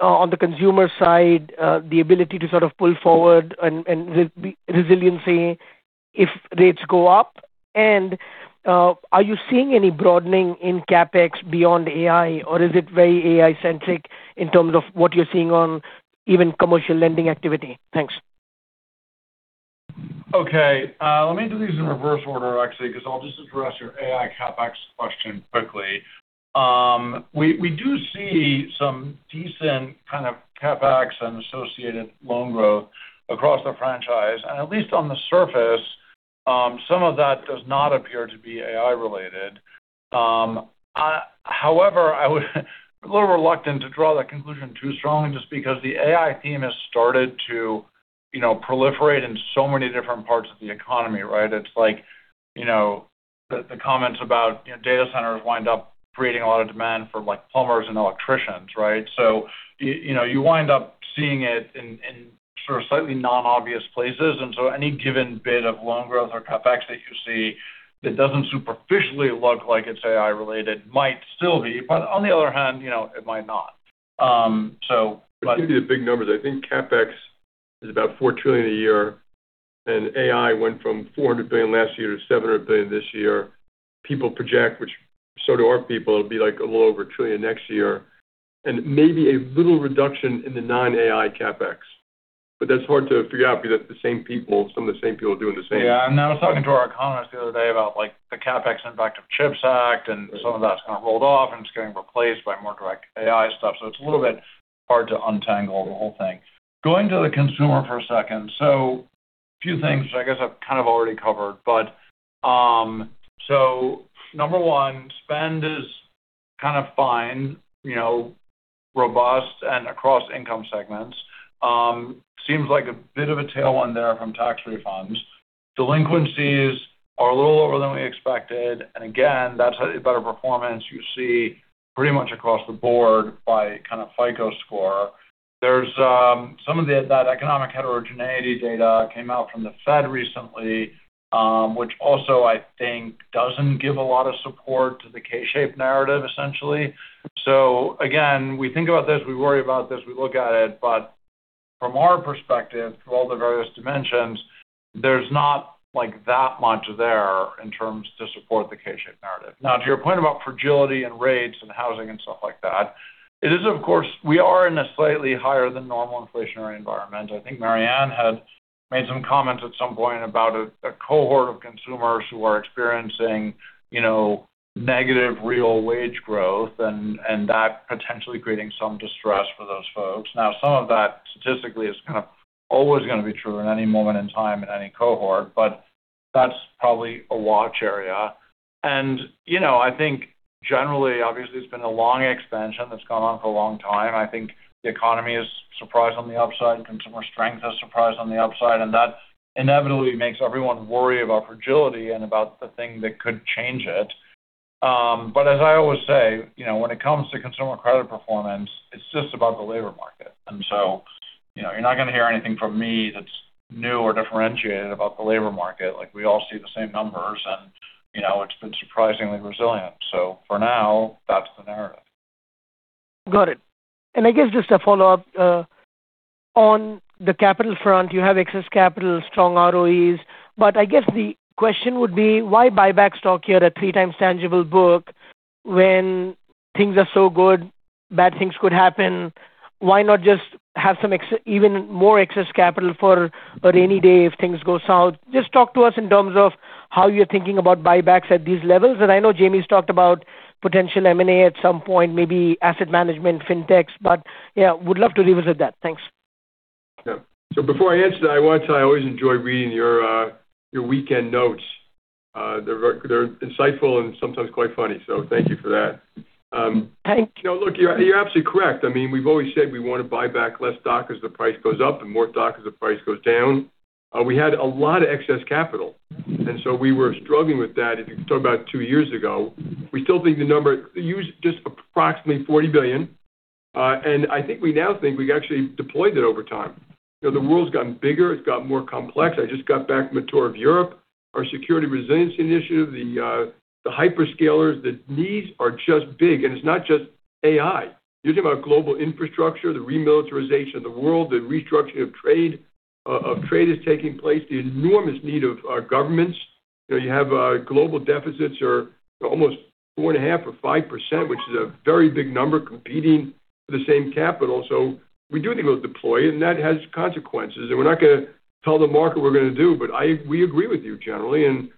on the consumer side, the ability to sort of pull forward and resiliency if rates go up. Are you seeing any broadening in CapEx beyond AI, or is it very AI-centric in terms of what you're seeing on even commercial lending activity? Thanks. Okay. Let me do these in reverse order, actually, because I'll just address your AI CapEx question quickly. We do see some decent kind of CapEx and associated loan growth across the franchise, and at least on the surface, some of that does not appear to be AI related. However, I would be a little reluctant to draw that conclusion too strongly just because the AI theme has started to proliferate in so many different parts of the economy, right? It's like the comments about data centers wind up creating a lot of demand for plumbers and electricians, right? You wind up seeing it in sort of slightly non-obvious places, and any given bit of loan growth or CapEx that you see that doesn't superficially look like it's AI related might still be, but on the other hand, it might not. To give you the big numbers, I think CapEx is about $4 trillion a year, AI went from $400 billion last year to $700 billion this year. People project, which so do our people, it will be like a little over a trillion next year and maybe a little reduction in the non-AI CapEx. That's hard to figure out because some of the same people are doing the same. Yeah. I was talking to our economist the other day about the CapEx impact of CHIPS Act and some of that's kind of rolled off and it's getting replaced by more direct AI stuff. It's a little bit hard to untangle the whole thing. Going to the consumer for a second. A few things I guess I've kind of already covered. Number one, spend is kind of fine, robust and across income segments. Seems like a bit of a tailwind there from tax refunds. Delinquencies are a little lower than we expected. Again, that's a better performance you see pretty much across the board by kind of FICO score. There's some of that economic heterogeneity data came out from the Fed recently, which also I think doesn't give a lot of support to the K-shape narrative essentially. Again, we think about this, we worry about this, we look at it, from our perspective, through all the various dimensions, there's not like that much there in terms to support the K-shape narrative. To your point about fragility and rates and housing and stuff like that, it is of course, we are in a slightly higher than normal inflationary environment. I think Marianne had made some comments at some point about a cohort of consumers who are experiencing negative real wage growth and that potentially creating some distress for those folks. Some of that statistically is kind of always going to be true in any moment in time in any cohort, but that's probably a watch area. I think generally, obviously it's been a long expansion that's gone on for a long time. I think the economy is surprised on the upside. Consumer strength is surprised on the upside. That inevitably makes everyone worry about fragility and about the thing that could change it. As I always say, when it comes to consumer credit performance, it's just about the labor market. You're not going to hear anything from me that's new or differentiated about the labor market. We all see the same numbers and it's been surprisingly resilient. For now, that's the narrative. Got it. I guess just a follow-up, on the capital front, you have excess capital, strong ROEs. I guess the question would be why buy back stock here at three times tangible book when things are so good, bad things could happen? Why not just have even more excess capital for a rainy day if things go south? Just talk to us in terms of how you're thinking about buybacks at these levels. I know Jamie's talked about potential M&A at some point, maybe asset management, fintechs. Yeah, would love to revisit that. Thanks. Yeah. Before I answer that, I want to tell you I always enjoy reading your weekend notes. They're insightful and sometimes quite funny. Thank you for that. Thank you. Look, you're absolutely correct. I mean, we've always said we want to buy back less stock as the price goes up and more stock as the price goes down. We had a lot of excess capital, we were struggling with that if you're talking about two years ago. We still think the number use just approximately $40 billion. I think we now think we actually deployed it over time. The world's gotten bigger. It's got more complex. I just got back from a tour of Europe. Our security resiliency initiative, the hyperscalers, the needs are just big. It's not just AI. You're talking about global infrastructure, the remilitarization of the world, the restructuring of trade is taking place, the enormous need of governments. You have global deficits are almost 4.5% or 5%, which is a very big number competing for the same capital. We do think it'll deploy and that has consequences. We're not going to tell the market what we're going to do, but we agree with you generally.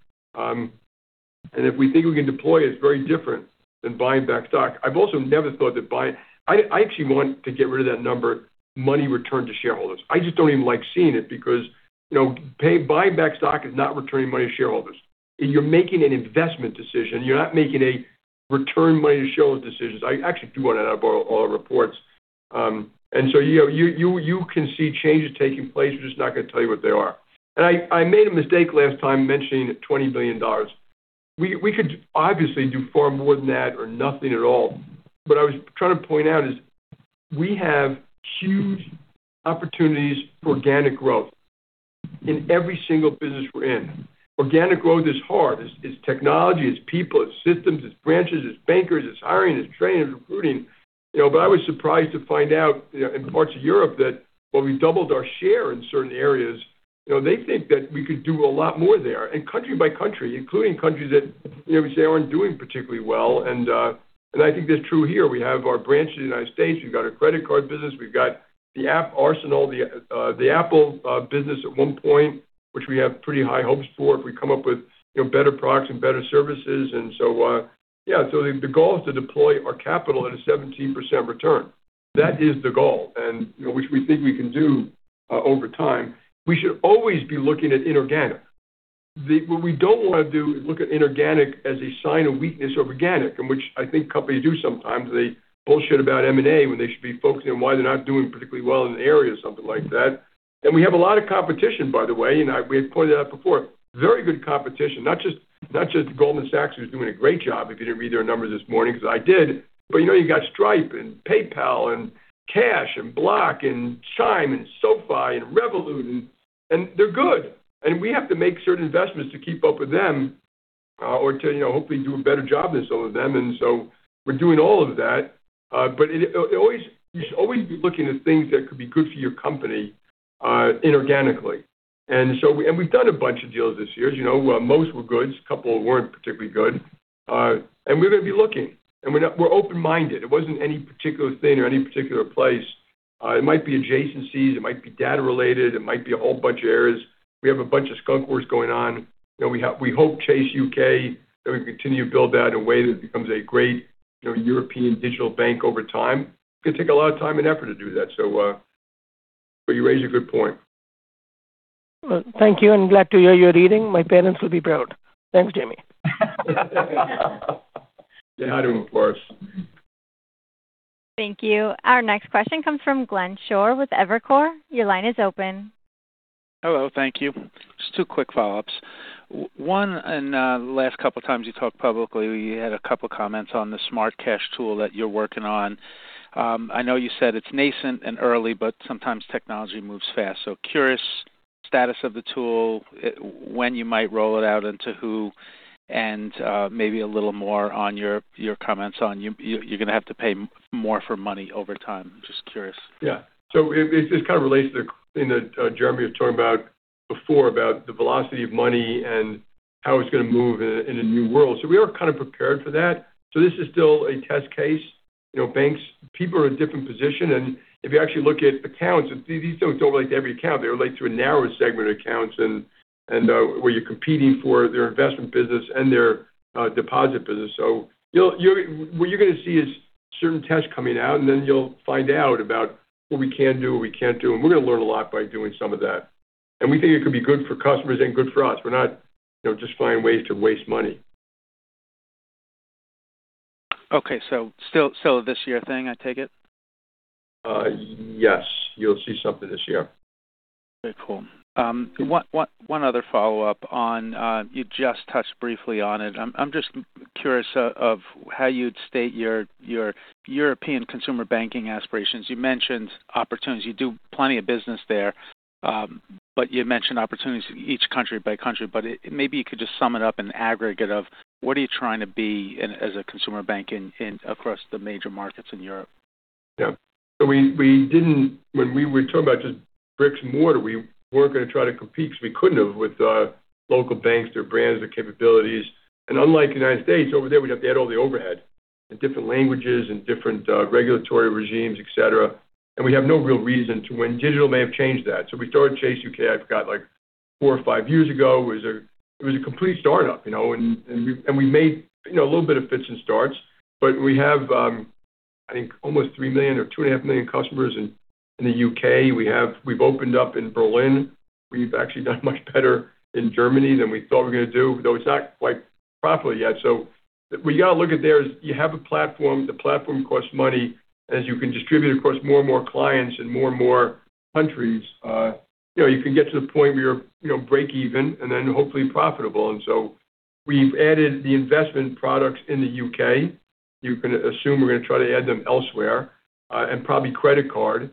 If we think we can deploy, it's very different than buying back stock. I've also never thought that I actually want to get rid of that number, money returned to shareholders. I just don't even like seeing it because buying back stock is not returning money to shareholders. You're making an investment decision. You're not making a return money to shareholders decisions. I actually do want to borrow all the reports. You can see changes taking place. We're just not going to tell you what they are. I made a mistake last time mentioning $20 billion. We could obviously do far more than that or nothing at all. What I was trying to point out is we have huge opportunities for organic growth in every single business we're in. Organic growth is hard. It's technology, it's people, it's systems, it's branches, it's bankers, it's hiring, it's training, it's recruiting. I was surprised to find out in parts of Europe that while we've doubled our share in certain areas, they think that we could do a lot more there. Country by country, including countries that we say aren't doing particularly well. I think that's true here. We have our branch in the U.S. We've got a credit card business. We've got the app arsenal, the Apple business at one point, which we have pretty high hopes for if we come up with better products and better services. Yeah. The goal is to deploy our capital at a 17% return. That is the goal. Which we think we can do over time. We should always be looking at inorganic. What we don't want to do is look at inorganic as a sign of weakness over organic, which I think companies do sometimes. They bullshit about M&A when they should be focusing on why they're not doing particularly well in an area or something like that. We have a lot of competition, by the way, and we've pointed out before. Very good competition. Not just Goldman Sachs, who's doing a great job, if you didn't read their numbers this morning, because I did, you've got Stripe and PayPal and Cash App and Block and Chime and SoFi and Revolut, and they're good. We have to make certain investments to keep up with them, or to hopefully do a better job than some of them. We're doing all of that. You should always be looking at things that could be good for your company inorganically. We've done a bunch of deals this year. As you know, most were good. A couple weren't particularly good. We're going to be looking, and we're open-minded. It wasn't any particular thing or any particular place. It might be adjacencies, it might be data-related, it might be a whole bunch of areas. We have a bunch of skunk works going on. We hope Chase U.K., that we continue to build that in a way that it becomes a great European digital bank over time. It's going to take a lot of time and effort to do that. You raise a good point. Well, thank you. I'm glad to hear you're reading. My parents will be proud. Thanks, Jamie. They hired him, of course. Thank you. Our next question comes from Glenn Schorr with Evercore. Your line is open. Hello. Thank you. Just two quick follow-ups. One, in the last couple of times you talked publicly, we had a couple of comments on the smart cash tool that you're working on. I know you said it's nascent and early, sometimes technology moves fast. Curious status of the tool, when you might roll it out, and to who, and maybe a little more on your comments on you're gonna have to pay more for money over time. Just curious. Yeah. It kind of relates to the thing that Jeremy was talking about before, about the velocity of money and how it's going to move in a new world. We are kind of prepared for that. This is still a test case. Banks, people are in a different position, and if you actually look at accounts, these don't relate to every account. They relate to a narrow segment of accounts and where you're competing for their investment business and their deposit business. What you're going to see is certain tests coming out, and then you'll find out about what we can do, what we can't do, and we're going to learn a lot by doing some of that. We think it could be good for customers and good for us. We're not just finding ways to waste money. Okay. Still a this year thing, I take it? Yes. You'll see something this year. Very cool. One other follow-up on, you just touched briefly on it. I'm just curious of how you'd state your European consumer banking aspirations. You mentioned opportunities. You do plenty of business there. You mentioned opportunities each country by country. Maybe you could just sum it up in aggregate of what are you trying to be as a consumer bank across the major markets in Europe? Yeah. When we were talking about just bricks and mortar, we weren't going to try to compete because we couldn't have with local banks, their brands, their capabilities. Unlike the U.S., over there, we'd have to add all the overhead and different languages and different regulatory regimes, et cetera. We have no real reason to when digital may have changed that. We started Chase U.K., I forgot, like four or five years ago. It was a complete startup, and we made a little bit of fits and starts, but we have, I think almost 3 million or 2.5 million customers in the U.K. We've opened up in Berlin. We've actually done much better in Germany than we thought we were going to do, though it's not quite profitable yet. What you got to look at there is you have a platform. The platform costs money as you can distribute across more and more clients and more and more countries. You can get to the point where you break even and then hopefully profitable. We've added the investment products in the U.K. You can assume we're going to try to add them elsewhere, and probably credit card.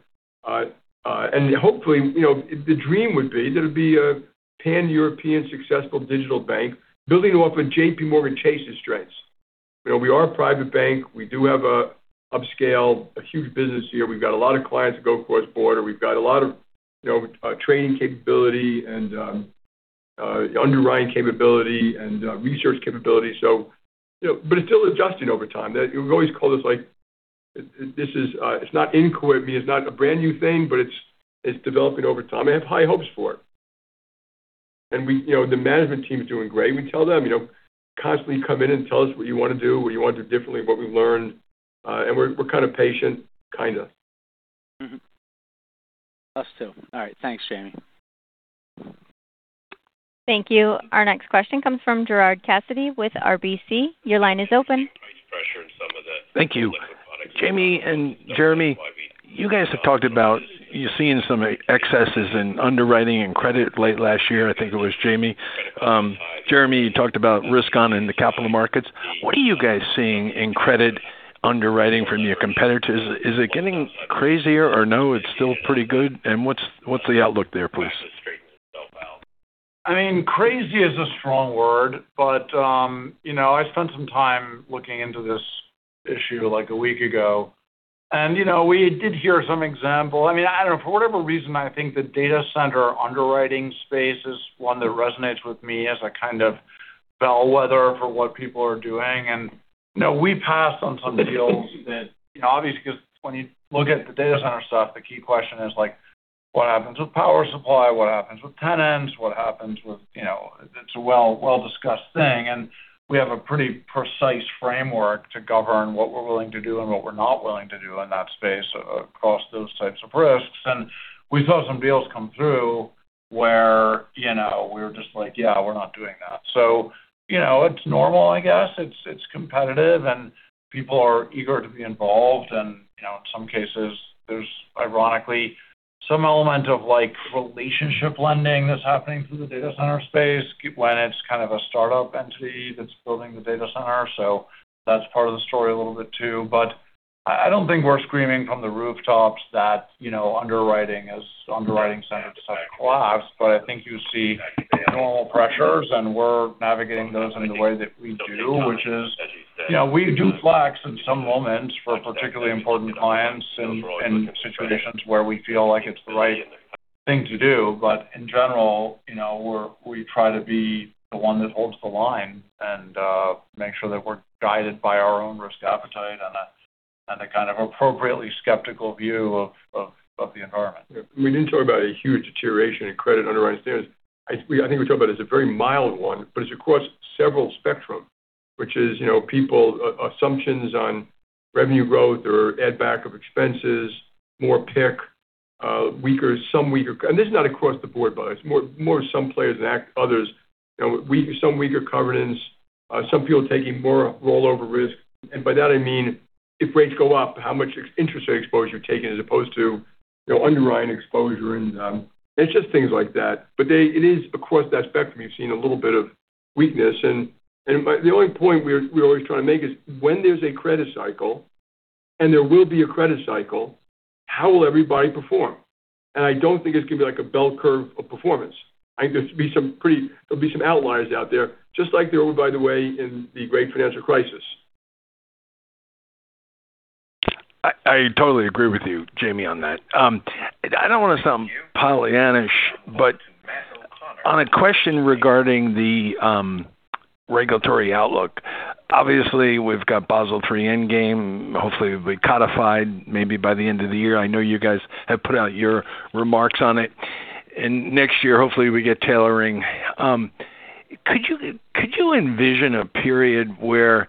Hopefully, the dream would be that it'd be a pan-European successful digital bank building off of JPMorgan Chase's strengths. We are a private bank. We do have an upscale, a huge business here. We've got a lot of clients that go across border. We've got a lot of training capability and underwriting capability and research capability. It's still adjusting over time. We've always called this like, it's not a brand new thing, but it's developing over time. I have high hopes for it. The management team is doing great. We tell them, "Constantly come in and tell us what you want to do, what you want to do differently, and what we've learned." We're kind of patient, kind of. Us too. All right, thanks, Jamie. Thank you. Our next question comes from Gerard Cassidy with RBC. Your line is open. Thank you. Jamie and Jeremy, you guys have talked about you're seeing some excesses in underwriting and credit late last year, I think it was Jamie. Jeremy, you talked about risk on in the capital markets. What are you guys seeing in credit underwriting from your competitors? Is it getting crazier or no, it's still pretty good? What's the outlook there, please? I mean, crazy is a strong word, but I spent some time looking into this issue a week ago, and we did hear some example. I mean, I don't know. For whatever reason, I think the data center underwriting space is one that resonates with me as a kind of bellwether for what people are doing. We passed on some deals that obviously because when you look at the data center stuff, the key question is what happens with power supply? What happens with tenants? It's a well-discussed thing, and we have a pretty precise framework to govern what we're willing to do and what we're not willing to do in that space across those types of risks. We saw some deals come through where we were just like, "Yeah, we're not doing that." It's normal, I guess. It's competitive, and people are eager to be involved. In some cases, there's ironically some element of relationship lending that's happening through the data center space when it's kind of a startup entity that's building the data center. That's part of the story a little bit too. I don't think we're screaming from the rooftops that underwriting center is such a class, but I think you see normal pressures, and we're navigating those in the way that we do, which is we do flex in some moments for particularly important clients in situations where we feel like it's the right thing to do. In general, we try to be the one that holds the line and make sure that we're guided by our own risk appetite and a kind of appropriately skeptical view of the environment. We didn't talk about a huge deterioration in credit underwriting standards. I think we talked about it as a very mild one, but it's across several spectrum, which is people assumptions on revenue growth or add back of expenses, more PIK, and this is not across the board, by the way. It's more some players than others. Some weaker covenants, some people taking more rollover risk. By that I mean if rates go up, how much interest rate exposure you're taking as opposed to underlying exposure, and it's just things like that. It is across that spectrum, you've seen a little bit of weakness. The only point we're always trying to make is when there's a credit cycle, and there will be a credit cycle, how will everybody perform? I don't think it's going to be like a bell curve of performance. I think there'll be some outliers out there, just like there were, by the way, in the great financial crisis. I totally agree with you, Jamie, on that. I don't want to sound Pollyannish, but on a question regarding the regulatory outlook, obviously we've got Basel III endgame. Hopefully, it'll be codified maybe by the end of the year. I know you guys have put out your remarks on it. Next year, hopefully we get tailoring. Could you envision a period where,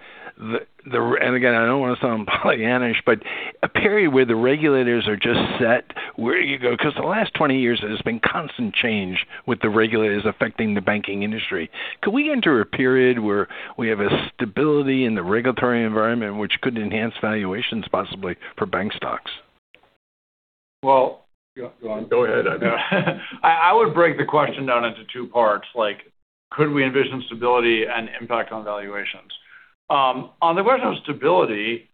and again, I don't want to sound Pollyannish, but a period where the regulators are just set, where you go, because the last 20 years there's been constant change with the regulators affecting the banking industry. Could we enter a period where we have a stability in the regulatory environment which could enhance valuations possibly for bank stocks? Well. Go ahead. I would break the question down into two parts, could we envision stability and impact on valuations? On the question of stability,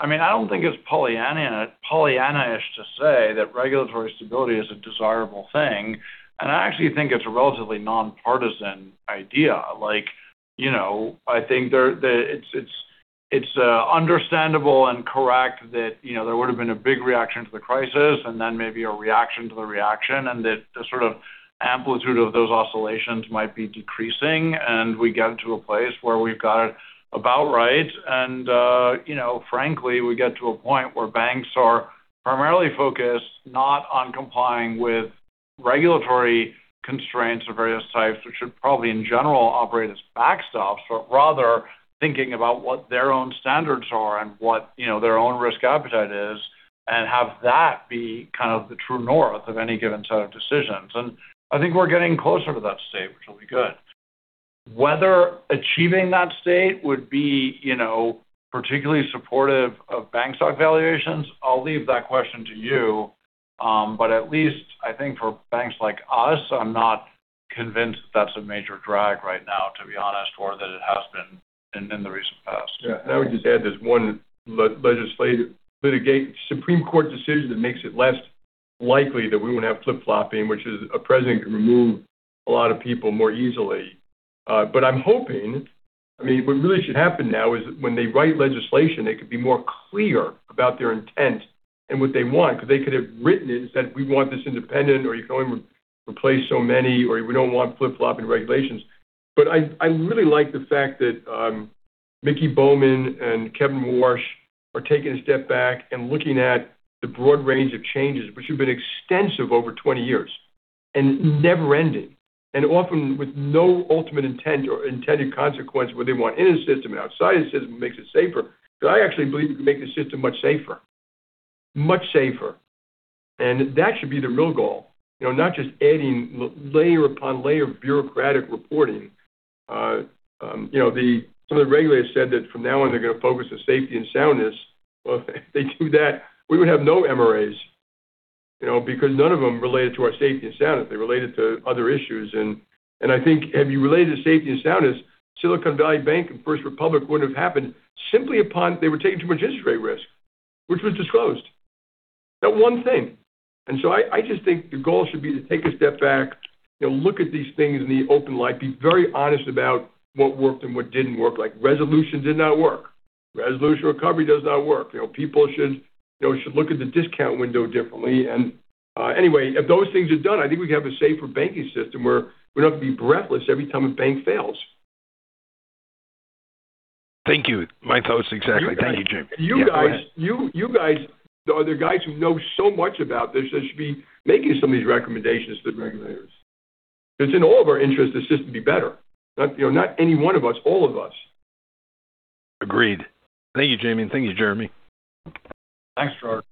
I don't think it's Pollyannish to say that regulatory stability is a desirable thing. I actually think it's a relatively nonpartisan idea. I think it's understandable and correct that there would've been a big reaction to the crisis then maybe a reaction to the reaction, and that the sort of amplitude of those oscillations might be decreasing and we get to a place where we've got it about right. Frankly, we get to a point where banks are primarily focused not on complying with regulatory constraints of various types, which should probably, in general, operate as backstops, but rather thinking about what their own standards are and what their own risk appetite is and have that be kind of the true north of any given set of decisions. I think we're getting closer to that state, which will be good. Whether achieving that state would be particularly supportive of bank stock valuations, I'll leave that question to you. At least I think for banks like us, I'm not convinced that that's a major drag right now, to be honest, or that it has been in the recent past. Yeah. I would just add there's one litigate Supreme Court decision that makes it less likely that we would have flip-flopping, which is a president can remove a lot of people more easily. I'm hoping what really should happen now is when they write legislation, they could be more clear about their intent and what they want because they could have written it and said, "We want this independent," or, "You can only replace so many," or, "We don't want flip-flopping regulations." I really like the fact that Miki Bowman and Kevin Warsh are taking a step back and looking at the broad range of changes which have been extensive over 20 years. It never ended. Often with no ultimate intent or intended consequence, whether they want in a system or outside a system, it makes it safer. I actually believe it can make the system much safer. Much safer. That should be the real goal. Not just adding layer upon layer of bureaucratic reporting. Some of the regulators said that from now on, they're going to focus on safety and soundness. Well, if they do that, we would have no MRAs because none of them related to our safety and soundness. They related to other issues. I think had we related to safety and soundness, Silicon Valley Bank and First Republic wouldn't have happened simply upon they were taking too much interest rate risk, which was disclosed. That one thing. I just think the goal should be to take a step back, look at these things in the open light, be very honest about what worked and what didn't work. Like resolution did not work. Resolution recovery does not work. People should look at the discount window differently. Anyway, if those things are done, I think we can have a safer banking system where we don't have to be breathless every time a bank fails. Thank you. My thoughts exactly. Thank you, Jamie. You guys. Yeah, go ahead You guys are the guys who know so much about this that should be making some of these recommendations to the regulators. It's in all of our interest, the system be better. Not any one of us, all of us. Agreed. Thank you, Jamie, and thank you, Jeremy. Thanks, Gerard.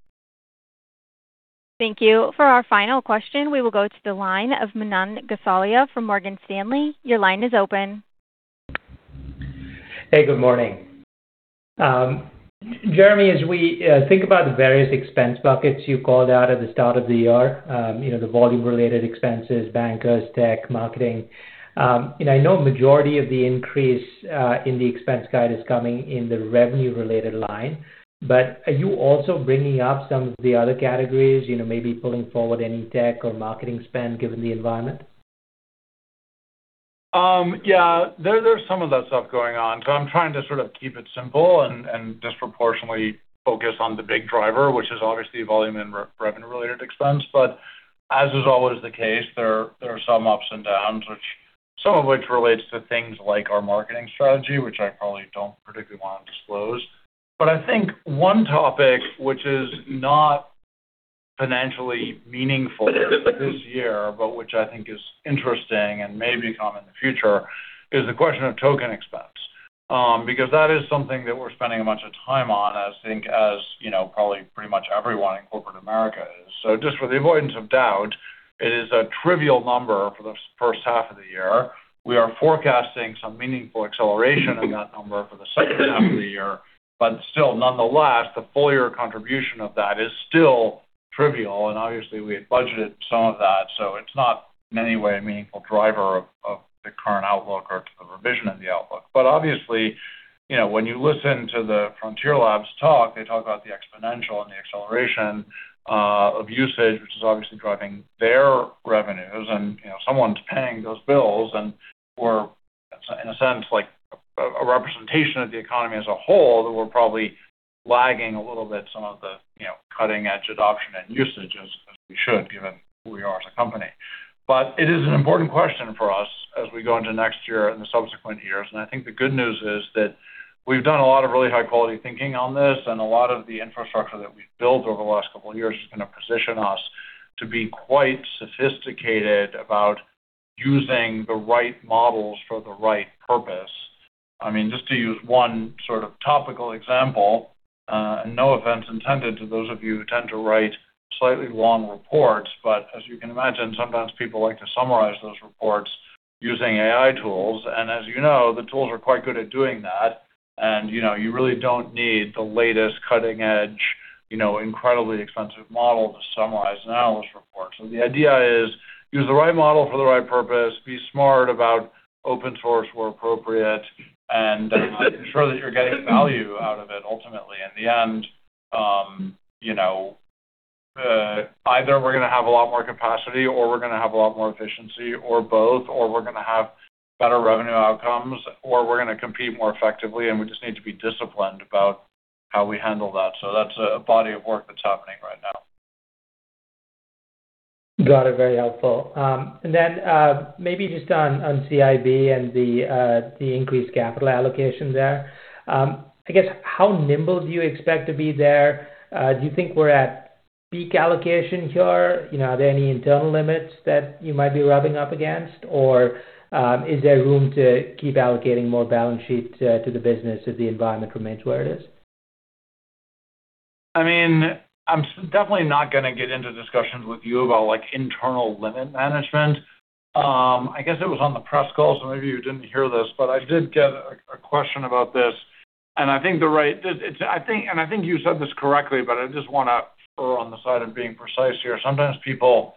Thank you. For our final question, we will go to the line of Manan Gosalia from Morgan Stanley. Your line is open. Hey, good morning. Jeremy, as we think about the various expense buckets you called out at the start of the year, the volume related expenses, bankers, tech, marketing, I know a majority of the increase in the expense guide is coming in the revenue related line, are you also bringing up some of the other categories, maybe pulling forward any tech or marketing spend given the environment? Yeah, there's some of that stuff going on, I'm trying to sort of keep it simple and disproportionately focus on the big driver, which is obviously volume and revenue related expense. As is always the case, there are some ups and downs, some of which relates to things like our marketing strategy, which I probably don't particularly want to disclose. I think one topic which is not financially meaningful this year, but which I think is interesting and may become in the future, is the question of token expense. That is something that we're spending a bunch of time on, I think as probably pretty much everyone in corporate America is. Just for the avoidance of doubt, it is a trivial number for the first half of the year. We are forecasting some meaningful acceleration in that number for the second half of the year. Still, nonetheless, the full year contribution of that is still trivial, and obviously we had budgeted some of that, so it's not in any way a meaningful driver of the current outlook or to the revision of the outlook. Obviously, when you listen to the Frontier Labs talk, they talk about the exponential and the acceleration of usage, which is obviously driving their revenues and someone's paying those bills. We're, in a sense, like a representation of the economy as a whole, that we're probably lagging a little bit some of the cutting edge adoption and usage as we should given who we are as a company. It is an important question for us as we go into next year and the subsequent years. I think the good news is that we've done a lot of really high quality thinking on this, and a lot of the infrastructure that we've built over the last couple of years is going to position us to be quite sophisticated about using the right models for the right purpose. I mean, just to use one sort of topical example, and no offense intended to those of you who tend to write slightly long reports, but as you can imagine, sometimes people like to summarize those reports using AI tools. As you know, the tools are quite good at doing that, and you really don't need the latest cutting edge incredibly expensive model to summarize an analyst report. The idea is use the right model for the right purpose, be smart about open source where appropriate, and ensure that you're getting value out of it ultimately. In the end, either we're going to have a lot more capacity or we're going to have a lot more efficiency or both, or we're going to have better revenue outcomes, or we're going to compete more effectively, and we just need to be disciplined about how we handle that. That's a body of work that's happening right now. Got it. Very helpful. Maybe just on CIB and the increased capital allocation there. How nimble do you expect to be there? Do you think we're at peak allocation here? Are there any internal limits that you might be rubbing up against? Is there room to keep allocating more balance sheet to the business if the environment remains where it is? I'm definitely not going to get into discussions with you about internal limit management. It was on the press call, some of you didn't hear this, but I did get a question about this, and I think you said this correctly, but I just want to err on the side of being precise here. Sometimes people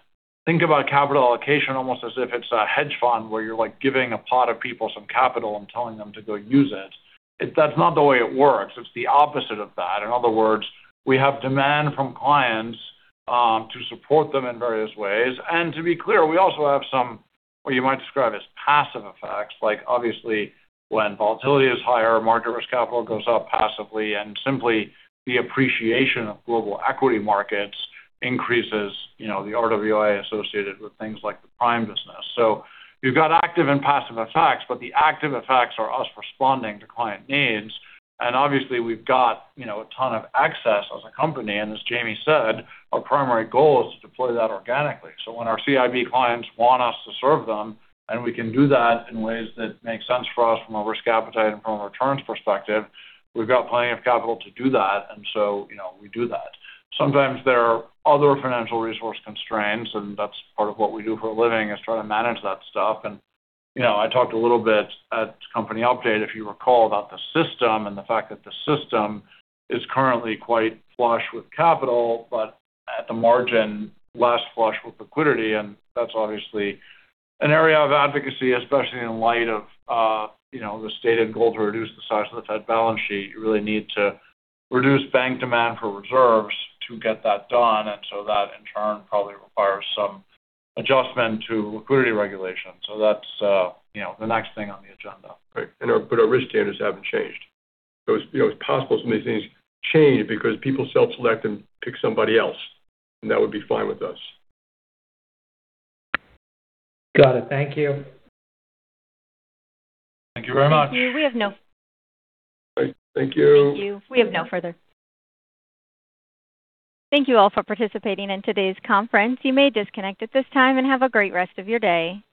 think about capital allocation almost as if it's a hedge fund where you're giving a pot of people some capital and telling them to go use it. That's not the way it works. It's the opposite of that. In other words, we have demand from clients to support them in various ways. To be clear, we also have some what you might describe as passive effects. Obviously when volatility is higher, market risk capital goes up passively and simply the appreciation of global equity markets increases the RWA associated with things like the prime business. You've got active and passive effects, but the active effects are us responding to client needs. Obviously we've got a ton of excess as a company, and as Jamie said, our primary goal is to deploy that organically. When our CIB clients want us to serve them, and we can do that in ways that make sense for us from a risk appetite and from a returns perspective, we've got plenty of capital to do that. We do that. Sometimes there are other financial resource constraints, and that's part of what we do for a living is try to manage that stuff. I talked a little bit at company update, if you recall, about the system and the fact that the system is currently quite flush with capital, but at the margin, less flush with liquidity. That's obviously an area of advocacy, especially in light of the stated goal to reduce the size of the Fed balance sheet. You really need to reduce bank demand for reserves to get that done, that in turn probably requires some adjustment to liquidity regulation. That's the next thing on the agenda. Right. Our risk standards haven't changed. It's possible some of these things change because people self-select and pick somebody else, and that would be fine with us. Got it. Thank you. Thank you very much. Thank you. All right. Thank you. Thank you. We have no further. Thank you all for participating in today's conference. You may disconnect at this time, and have a great rest of your day.